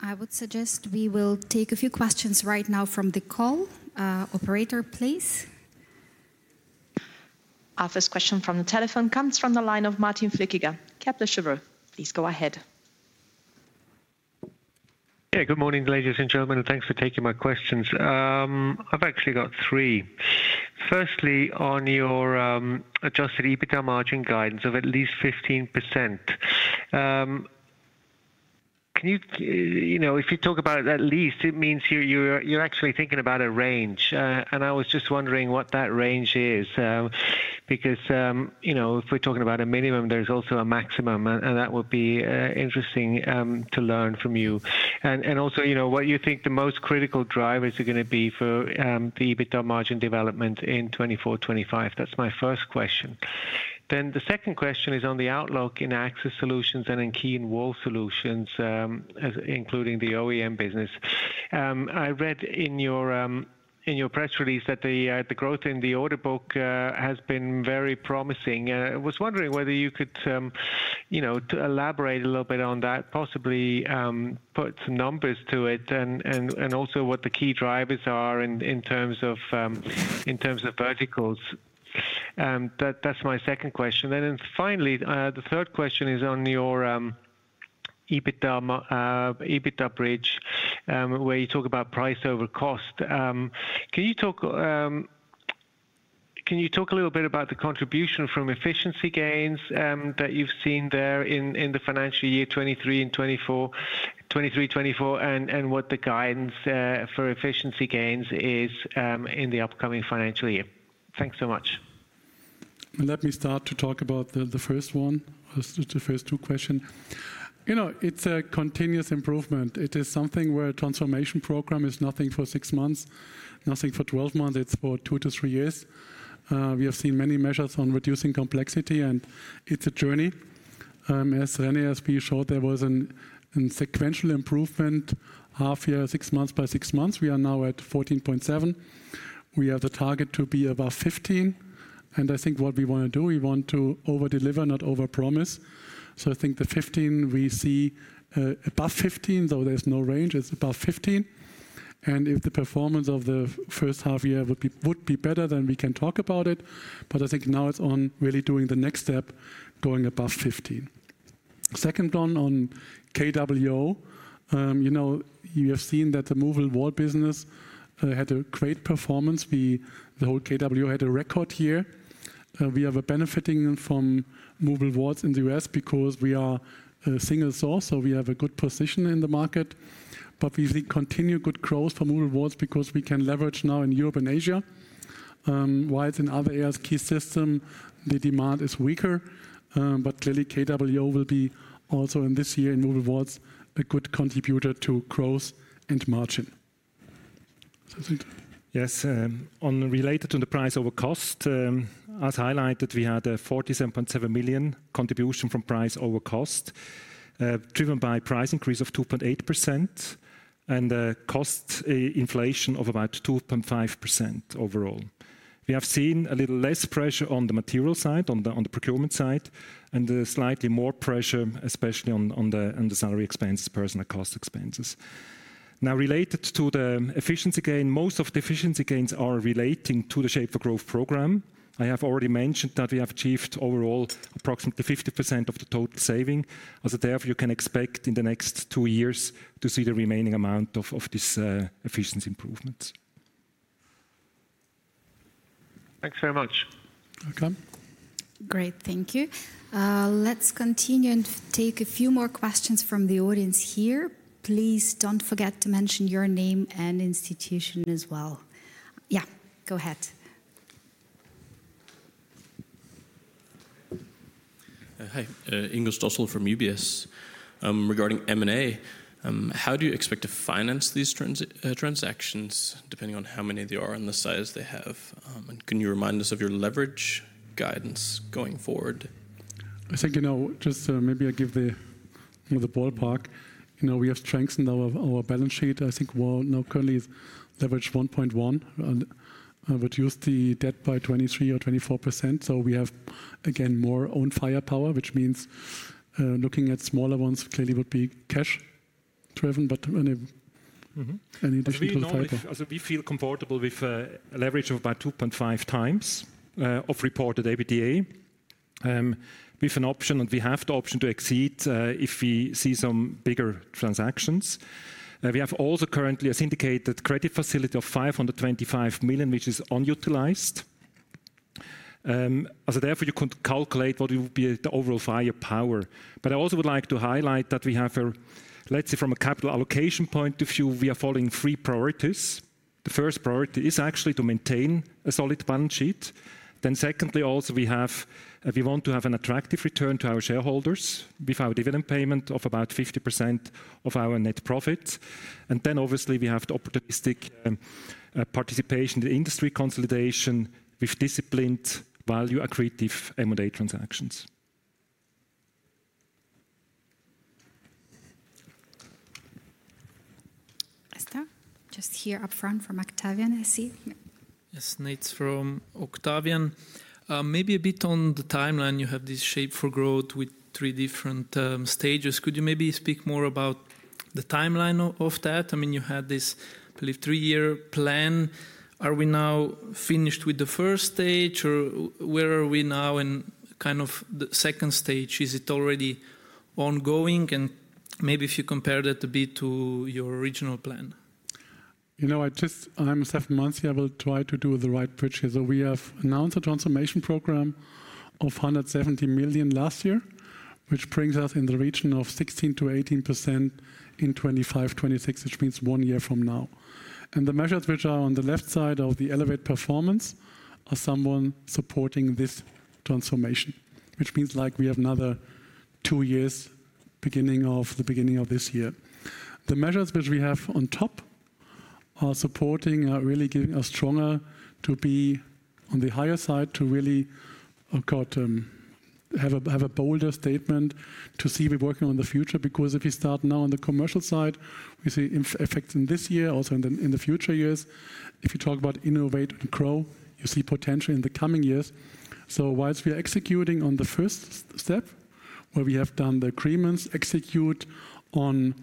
I would suggest we will take a few questions right now from the call. Operator, please?... Our first question from the telephone comes from the line of Martin Flückiger, Kepler Cheuvreux. Please go ahead. Yeah, good morning, ladies and gentlemen, and thanks for taking my questions. I've actually got three. Firstly, on your adjusted EBITDA margin guidance of at least 15%, can you... You know, if you talk about at least, it means you're actually thinking about a range. And I was just wondering what that range is, because, you know, if we're talking about a minimum, there's also a maximum, and that would be interesting to learn from you. And also, you know, what you think the most critical drivers are gonna be for the EBITDA margin development in 2024, 2025. That's my first question. Then the second question is on the outlook in Access Solutions and in Key & Wall Solutions, as including the OEM business. I read in your press release that the growth in the order book has been very promising. I was wondering whether you could, you know, elaborate a little bit on that, possibly put some numbers to it and also what the key drivers are in terms of verticals. That's my second question. And then finally, the third question is on your EBITDA bridge, where you talk about price over cost. Can you talk a little bit about the contribution from efficiency gains that you've seen there in the financial year 2023 and 2024 and what the guidance for efficiency gains is in the upcoming financial year? Thanks so much. Let me start to talk about the first two question. You know, it's a continuous improvement. It is something where a transformation program is nothing for six months, nothing for twelve months, it's for two to three years. We have seen many measures on reducing complexity, and it's a journey. As René has been showed, there was a sequential improvement half year, six months by six months. We are now at 14.7%. We have the target to be above 15%, and I think what we want to do, we want to over-deliver, not over-promise. So I think the 15% we see, above 15%, though there's no range, it's above 15%. If the performance of the first half year would be better, then we can talk about it. But I think now it's on really doing the next step, going above fifteen. Second one, on KWO. You know, you have seen that the movable wall business had a great performance. The whole KWO had a record year. We are benefiting from movable walls in the U.S. because we are a single source, so we have a good position in the market. But we see continued good growth for movable walls because we can leverage now in Europe and Asia. While it's in other areas, Key System, the demand is weaker, but clearly, KWO will be also in this year, in movable walls, a good contributor to growth and margin. René? Yes, related to the price over cost, as highlighted, we had a 47.7 million contribution from price over cost, driven by price increase of 2.8% and a cost inflation of about 2.5% overall. We have seen a little less pressure on the material side, on the procurement side, and slightly more pressure, especially on the salary expenses, personnel cost expenses. Now, related to the efficiency gain, most of the efficiency gains are relating to the Shape4Growth program. I have already mentioned that we have achieved overall approximately 50% of the total saving. So therefore, you can expect in the next two years to see the remaining amount of this efficiency improvements. Thanks very much. Welcome. Great. Thank you. Let's continue and take a few more questions from the audience here. Please don't forget to mention your name and institution as well. Yeah, go ahead. Hi. Ingo Schachel from UBS. Regarding M&A, how do you expect to finance these transactions, depending on how many they are and the size they have? And can you remind us of your leverage guidance going forward? I think, you know, just maybe I give the, you know, the ballpark. You know, we have strengthened our balance sheet. I think we're now currently leveraged one point one, and reduced the debt by 23% or 24%. So we have, again, more own firepower, which means looking at smaller ones clearly would be cash-driven, but any- Mm-hmm... any additional firepower. And we normally, so we feel comfortable with a leverage of about 2.5 times of reported EBITDA. With an option, and we have the option to exceed if we see some bigger transactions. We have also currently, as indicated, credit facility of 525 million, which is unutilized. So therefore, you could calculate what would be the overall firepower. But I also would like to highlight that we have a, let's say, from a capital allocation point of view, we are following three priorities. The first priority is actually to maintain a solid balance sheet. Then secondly, also, we have, we want to have an attractive return to our shareholders with our dividend payment of about 50% of our net profit. Obviously, we have the opportunistic participation in the industry consolidation with disciplined value-accretive M&A transactions. Let's start. Just here up front from Octavian, I see. Yes, Nate from Octavian. Maybe a bit on the timeline. You have this Shape4Growth with three different stages. Could you maybe speak more about the timeline of that? I mean, you had this, I believe, three-year plan. Are we now finished with the first stage, or where are we now in kind of the second stage? Is it already ongoing, and maybe if you compare that a bit to your original plan? You know, I just, I'm seven months here, I will try to do the right bridges. So we have announced a transformation program of 170 million last year, which brings us in the region of 16%-18% in 2025, 2026, which means one year from now. The measures which are on the left side of the elevate performance are someone supporting this transformation, which means, like, we have another two years, beginning of this year. The measures which we have on top are supporting, are really giving us stronger to be on the higher side, to really have a bolder statement to see we're working on the future. Because if you start now on the commercial side, we see immediate effects in this year, also in the future years. If you talk about innovate and grow, you see potential in the coming years, so while we are executing on the first step, where we have done the agreements, execute on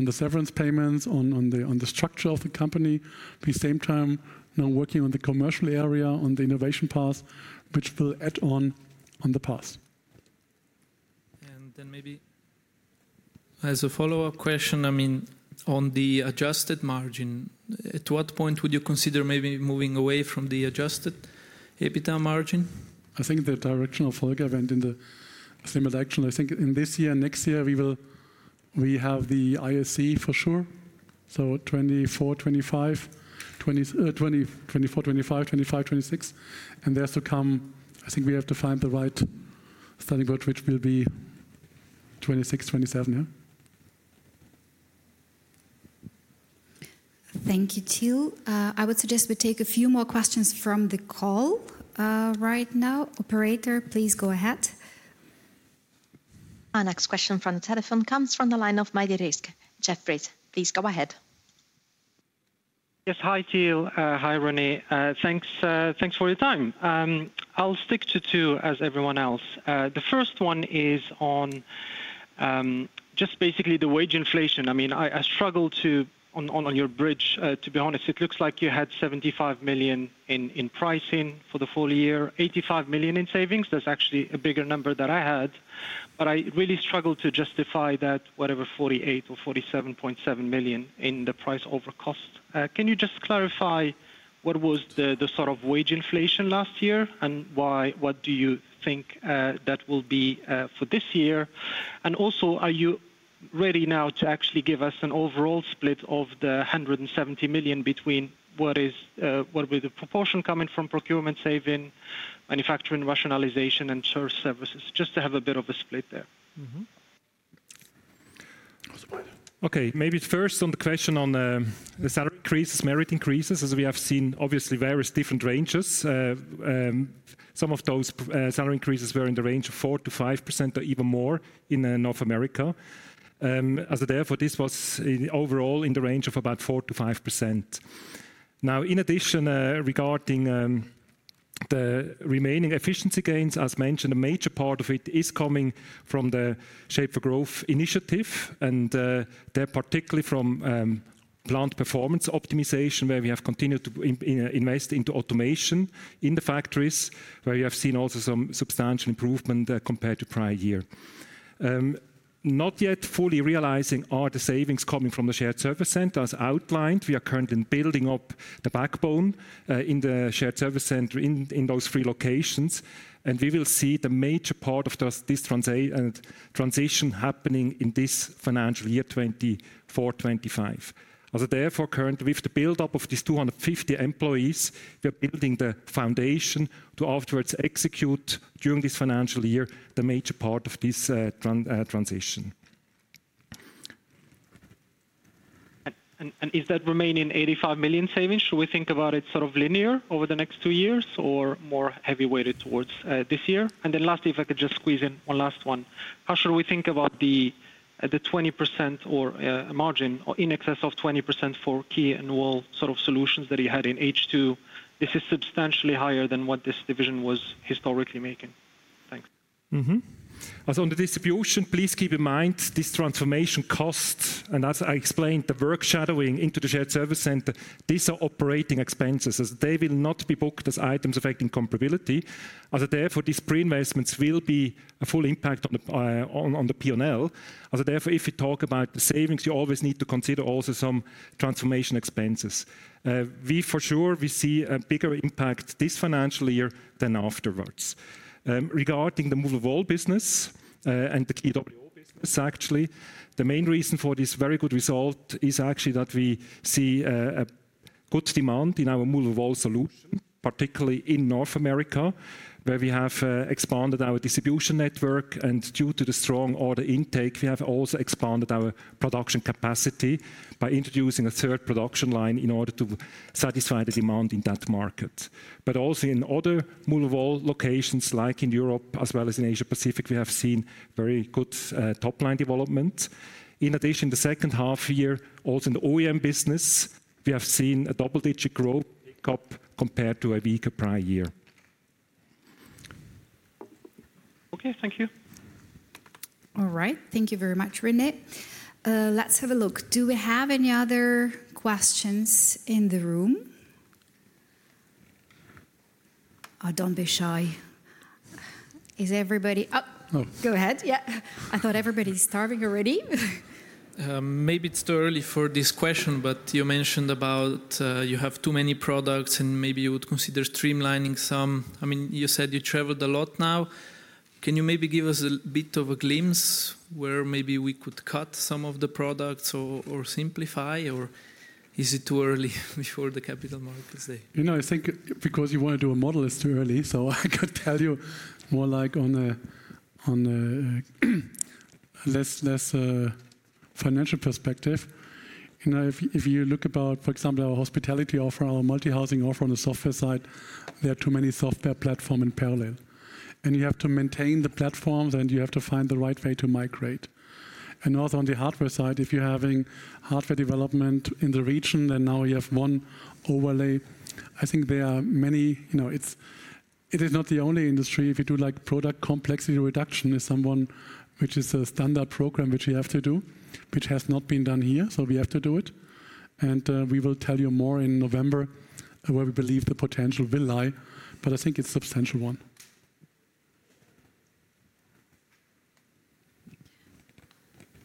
the severance payments, on the structure of the company, the same time now working on the commercial area, on the innovation path, which will add on to the path. And then maybe as a follow-up question, I mean, on the adjusted margin, at what point would you consider maybe moving away from the adjusted EBITDA margin? I think the direction of Volker went in the same direction. I think in this year, next year, we have the ISC for sure, so 2024, 2025, 2026. And there to come, I think we have to find the right starting point, which will be 2026, 2027, yeah? Thank you, Till. I would suggest we take a few more questions from the call, right now. Operator, please go ahead. Our next question from the telephone comes from the line of Maidi Rizk. Jefferies, please go ahead. Yes, hi, Till. Hi, René. Thanks for your time. I'll stick to two, as everyone else. The first one is on just basically the wage inflation. I mean, I struggle to on your bridge, to be honest, it looks like you had 75 million in pricing for the full year, 85 million in savings. That's actually a bigger number than I had. But I really struggle to justify that whatever, 48 or 47.7 million in the price over cost. Can you just clarify what was the sort of wage inflation last year, and why what do you think that will be for this year? Also, are you ready now to actually give us an overall split of the 170 million between what is, what were the proportion coming from procurement saving, manufacturing rationalization, and source services? Just to have a bit of a split there. Okay, maybe first on the question on the salary increases, merit increases, as we have seen, obviously various different ranges. Some of those salary increases were in the range of 4%-5% or even more in North America. As therefore, this was overall in the range of about 4%-5%. Now, in addition, regarding the remaining efficiency gains, as mentioned, a major part of it is coming from the Shape4Growth initiative, and there, particularly from plant performance optimization, where we have continued to invest into automation in the factories, where we have seen also some substantial improvement compared to prior year. Not yet fully realizing are the savings coming from the shared service center. As outlined, we are currently building up the backbone in the shared service center in those three locations, and we will see the major part of this transition happening in this financial year, 2024-2025. So therefore, currently, with the build-up of these 250 employees, we are building the foundation to afterwards execute during this financial year, the major part of this transition. Is that remaining 85 million savings something we should think about sort of linear over the next two years or more heavily weighted towards this year? And then lastly, if I could just squeeze in one last one. How should we think about the 20% or in excess of 20% margin for Key & Wall Solutions that you had in H2? This is substantially higher than what this division was historically making. Thanks. Mm-hmm. As for the distribution, please keep in mind, these transformation costs, and as I explained, the work shadowing into the shared service center, these are operating expenses, as they will not be booked as items affecting comparability. Therefore, these pre-investments will be a full impact on the, on the P&L. Therefore, if you talk about the savings, you always need to consider also some transformation expenses. We for sure, we see a bigger impact this financial year than afterwards. Regarding the movable wall business, and the key business, actually, the main reason for this very good result is actually that we see, a good demand in our movable wall solution, particularly in North America, where we have, expanded our distribution network. And due to the strong order intake, we have also expanded our production capacity by introducing a third production line in order to satisfy the demand in that market. But also in other movable wall locations, like in Europe as well as in Asia Pacific, we have seen very good top-line development. In addition, the second half year, also in the OEM business, we have seen a double-digit growth compared to a weaker prior year. Okay. Thank you. All right. Thank you very much, René. Let's have a look. Do we have any other questions in the room?... Oh, don't be shy. Is everybody-- Oh! No. Go ahead. Yeah, I thought everybody's starving already. Maybe it's too early for this question, but you mentioned about you have too many products, and maybe you would consider streamlining some. I mean, you said you traveled a lot now. Can you maybe give us a bit of a glimpse where maybe we could cut some of the products or, or simplify, or is it too early before the Capital Markets Day? You know, I think because you want to do a model, it's too early, so I could tell you more like on a less financial perspective. You know, if you look about, for example, our hospitality offer, our multi-housing offer on the software side, there are too many software platforms in parallel, and you have to maintain the platforms, and you have to find the right way to migrate, and also on the hardware side, if you're having hardware development in the region and now you have one overlay, I think there are many. You know, it is not the only industry. If you do, like, product complexity reduction is something which is a standard program which you have to do, which has not been done here, so we have to do it. And, we will tell you more in November, where we believe the potential will lie, but I think it's substantial one.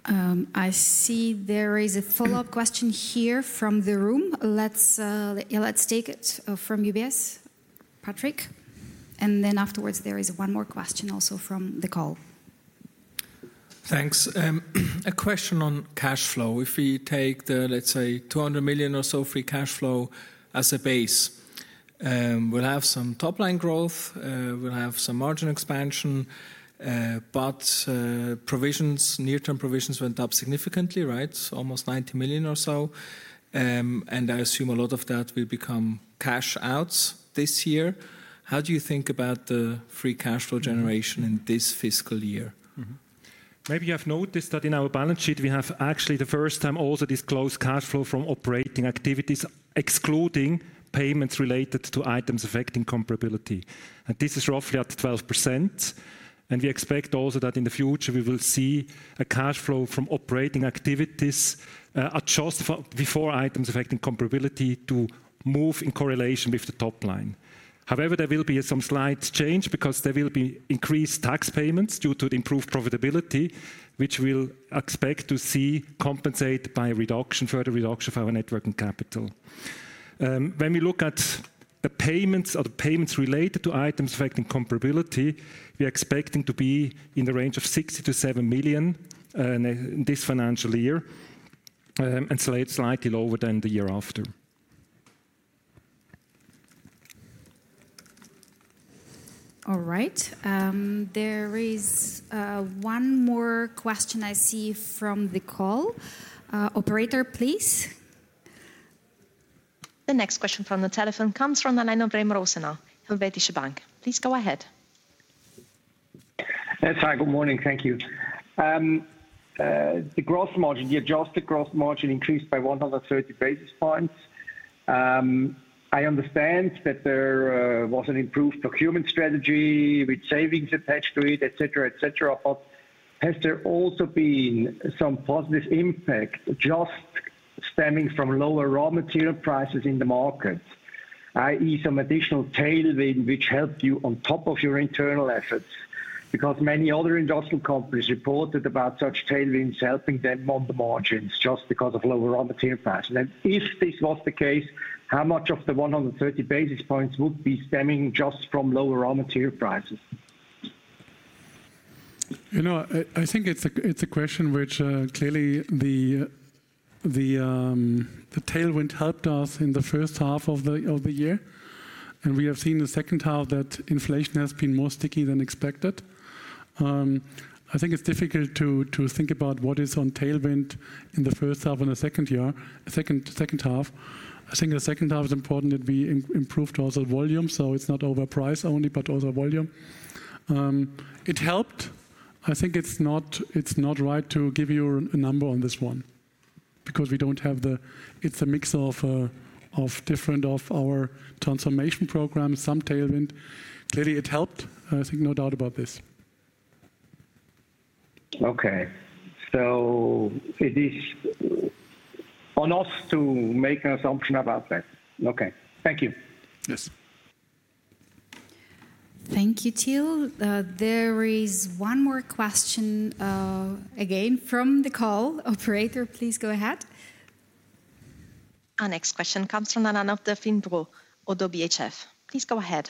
I see there is a follow-up question here from the room. Let's take it from UBS, Patrick. And then afterwards, there is one more question also from the call. Thanks. A question on cash flow. If we take the, let's say, 200 million or so free cash flow as a base, we'll have some top-line growth, we'll have some margin expansion, but provisions, near-term provisions went up significantly, right? Almost 90 million or so. And I assume a lot of that will become cash outs this year. How do you think about the free cash flow generation in this fiscal year? Maybe you have noticed that in our balance sheet, we have actually, the first time, also disclosed cash flow from operating activities, excluding payments related to items affecting comparability. This is roughly at 12%, and we expect also that in the future we will see a cash flow from operating activities, adjusted for before items affecting comparability to move in correlation with the top line. However, there will be some slight change because there will be increased tax payments due to the improved profitability, which we'll expect to see compensated by reduction, further reduction of our net working capital. When we look at the payments related to items affecting comparability, we are expecting to be in the range of 60-70 million in this financial year, and slightly lower than the year after. All right. There is one more question I see from the call. Operator, please. The next question from the telephone comes from the line of Remo Rosenau, Helvetische Bank. Please go ahead. Hi, good morning. Thank you. The gross margin, the adjusted gross margin increased by 130 basis points. I understand that there was an improved procurement strategy with savings attached to it, et cetera, et cetera. But has there also been some positive impact just stemming from lower raw material prices in the market, i.e., some additional tailwind which helped you on top of your internal efforts? Because many other industrial companies reported about such tailwinds helping them on the margins just because of lower raw material prices. And if this was the case, how much of the 130 basis points would be stemming just from lower raw material prices? You know, I think it's a question which clearly the tailwind helped us in the first half of the year, and we have seen in the second half that inflation has been more sticky than expected. I think it's difficult to think about what's the tailwind in the first half and the second half. I think the second half is important that we improved also volume, so it's not over price only, but also volume. It helped. I think it's not right to give you a number on this one because we don't have it. It's a mix of our different transformation programs, some tailwind. Clearly, it helped, I think, no doubt about this. Okay. So it is on us to make an assumption about that. Okay. Thank you. Yes. Thank you, Till. There is one more question, again, from the call. Operator, please go ahead. Our next question comes from the line of Daphne Tsang, ODDO BHF. Please go ahead.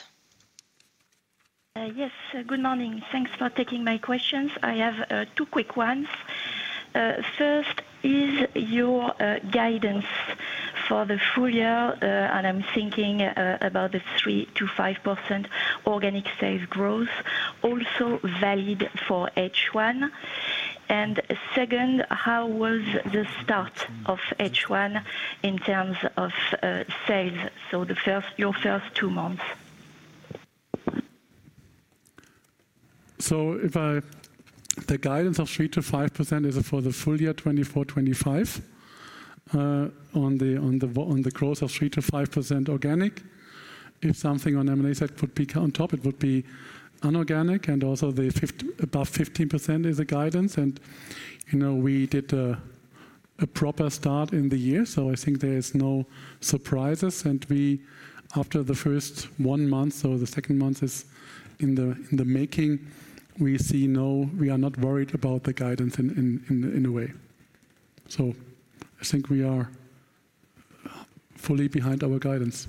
Yes. Good morning. Thanks for taking my questions. I have two quick ones. First, is your guidance for the full year, and I'm thinking about the 3% to 5% organic sales growth, also valid for H1? And second, how was the start of H1 in terms of sales, so the first, your first two months? The guidance of 3%-5% is for the full year 2024, 2025. On the growth of 3%-5% organic, if something on M&A side could be on top, it would be inorganic, and also above 15% is the guidance. You know, we did a-... a proper start in the year, so I think there is no surprises. And we, after the first one month, so the second month is in the making, we see we are not worried about the guidance in a way. So I think we are fully behind our guidance.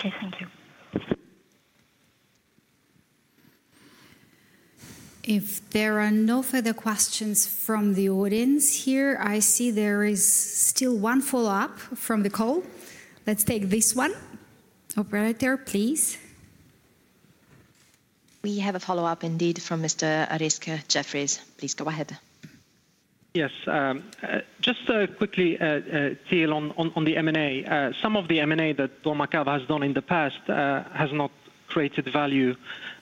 Okay, thank you. If there are no further questions from the audience here, I see there is still one follow-up from the call. Let's take this one. Operator, please. We have a follow-up indeed from Maidi Rizk. Please go ahead. Yes, just quickly, Till, on the M&A. Some of the M&A that dormakaba has done in the past has not created value,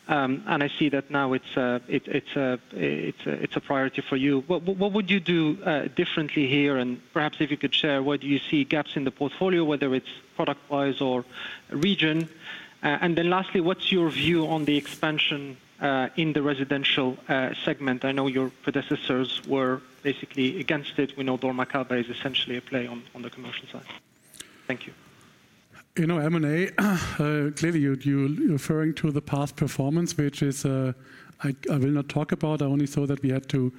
and I see that now it's a priority for you. What would you do differently here? And perhaps if you could share where do you see gaps in the portfolio, whether it's product wise or region. And then lastly, what's your view on the expansion in the residential segment? I know your predecessors were basically against it. We know dormakaba is essentially a play on the commercial side. Thank you. You know, M&A, clearly, you're referring to the past performance, which is, I will not talk about. I only saw that we had to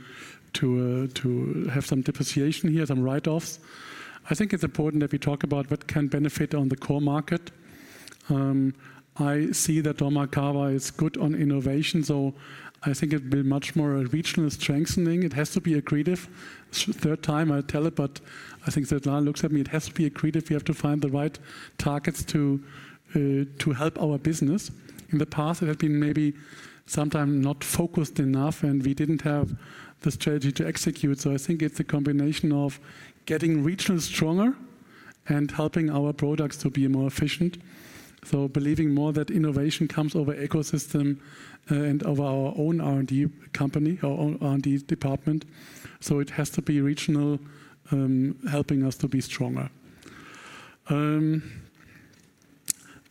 have some depreciation here, some write-offs. I think it's important that we talk about what can benefit on the core market. I see that dormakaba is good on innovation, so I think it will be much more a regional strengthening. It has to be accretive. It's the third time I tell it, but I think that now looks at me, it has to be accretive. We have to find the right targets to help our business. In the past, it had been maybe sometime not focused enough, and we didn't have the strategy to execute. So I think it's a combination of getting regional stronger and helping our products to be more efficient. believing more that innovation comes over ecosystem, and of our own R&D company, our own R&D department. It has to be regional, helping us to be stronger.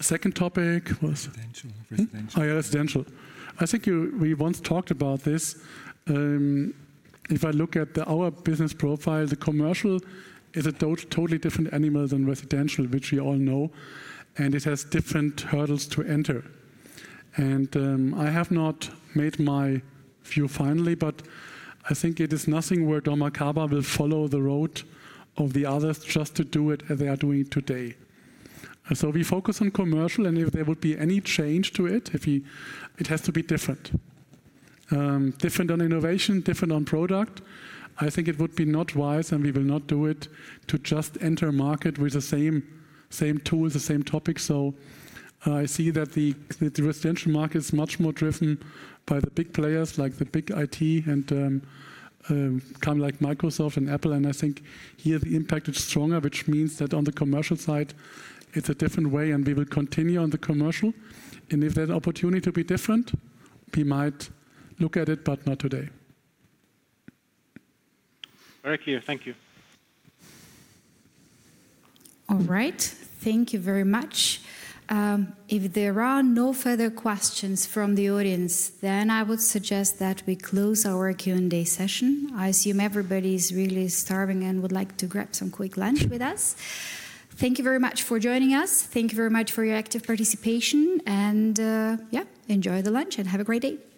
Second topic was- Residential. Residential. Yeah, residential. I think you, we once talked about this. If I look at our business profile, the commercial is a totally different animal than residential, which we all know, and it has different hurdles to enter, and I have not made my view finally, but I think it is nothing where dormakaba will follow the road of the others just to do it as they are doing it today, so we focus on commercial, and if there would be any change to it, it has to be different. Different on innovation, different on product. I think it would be not wise, and we will not do it, to just enter a market with the same, same tool, the same topic. So I see that the residential market is much more driven by the big players, like the big IT and kind of like Microsoft and Apple. And I think here, the impact is stronger, which means that on the commercial side, it's a different way, and we will continue on the commercial. And if there's an opportunity to be different, we might look at it, but not today. Very clear. Thank you. All right. Thank you very much. If there are no further questions from the audience, then I would suggest that we close our Q&A session. I assume everybody's really starving and would like to grab some quick lunch with us. Thank you very much for joining us. Thank you very much for your active participation, and yeah, enjoy the lunch and have a great day.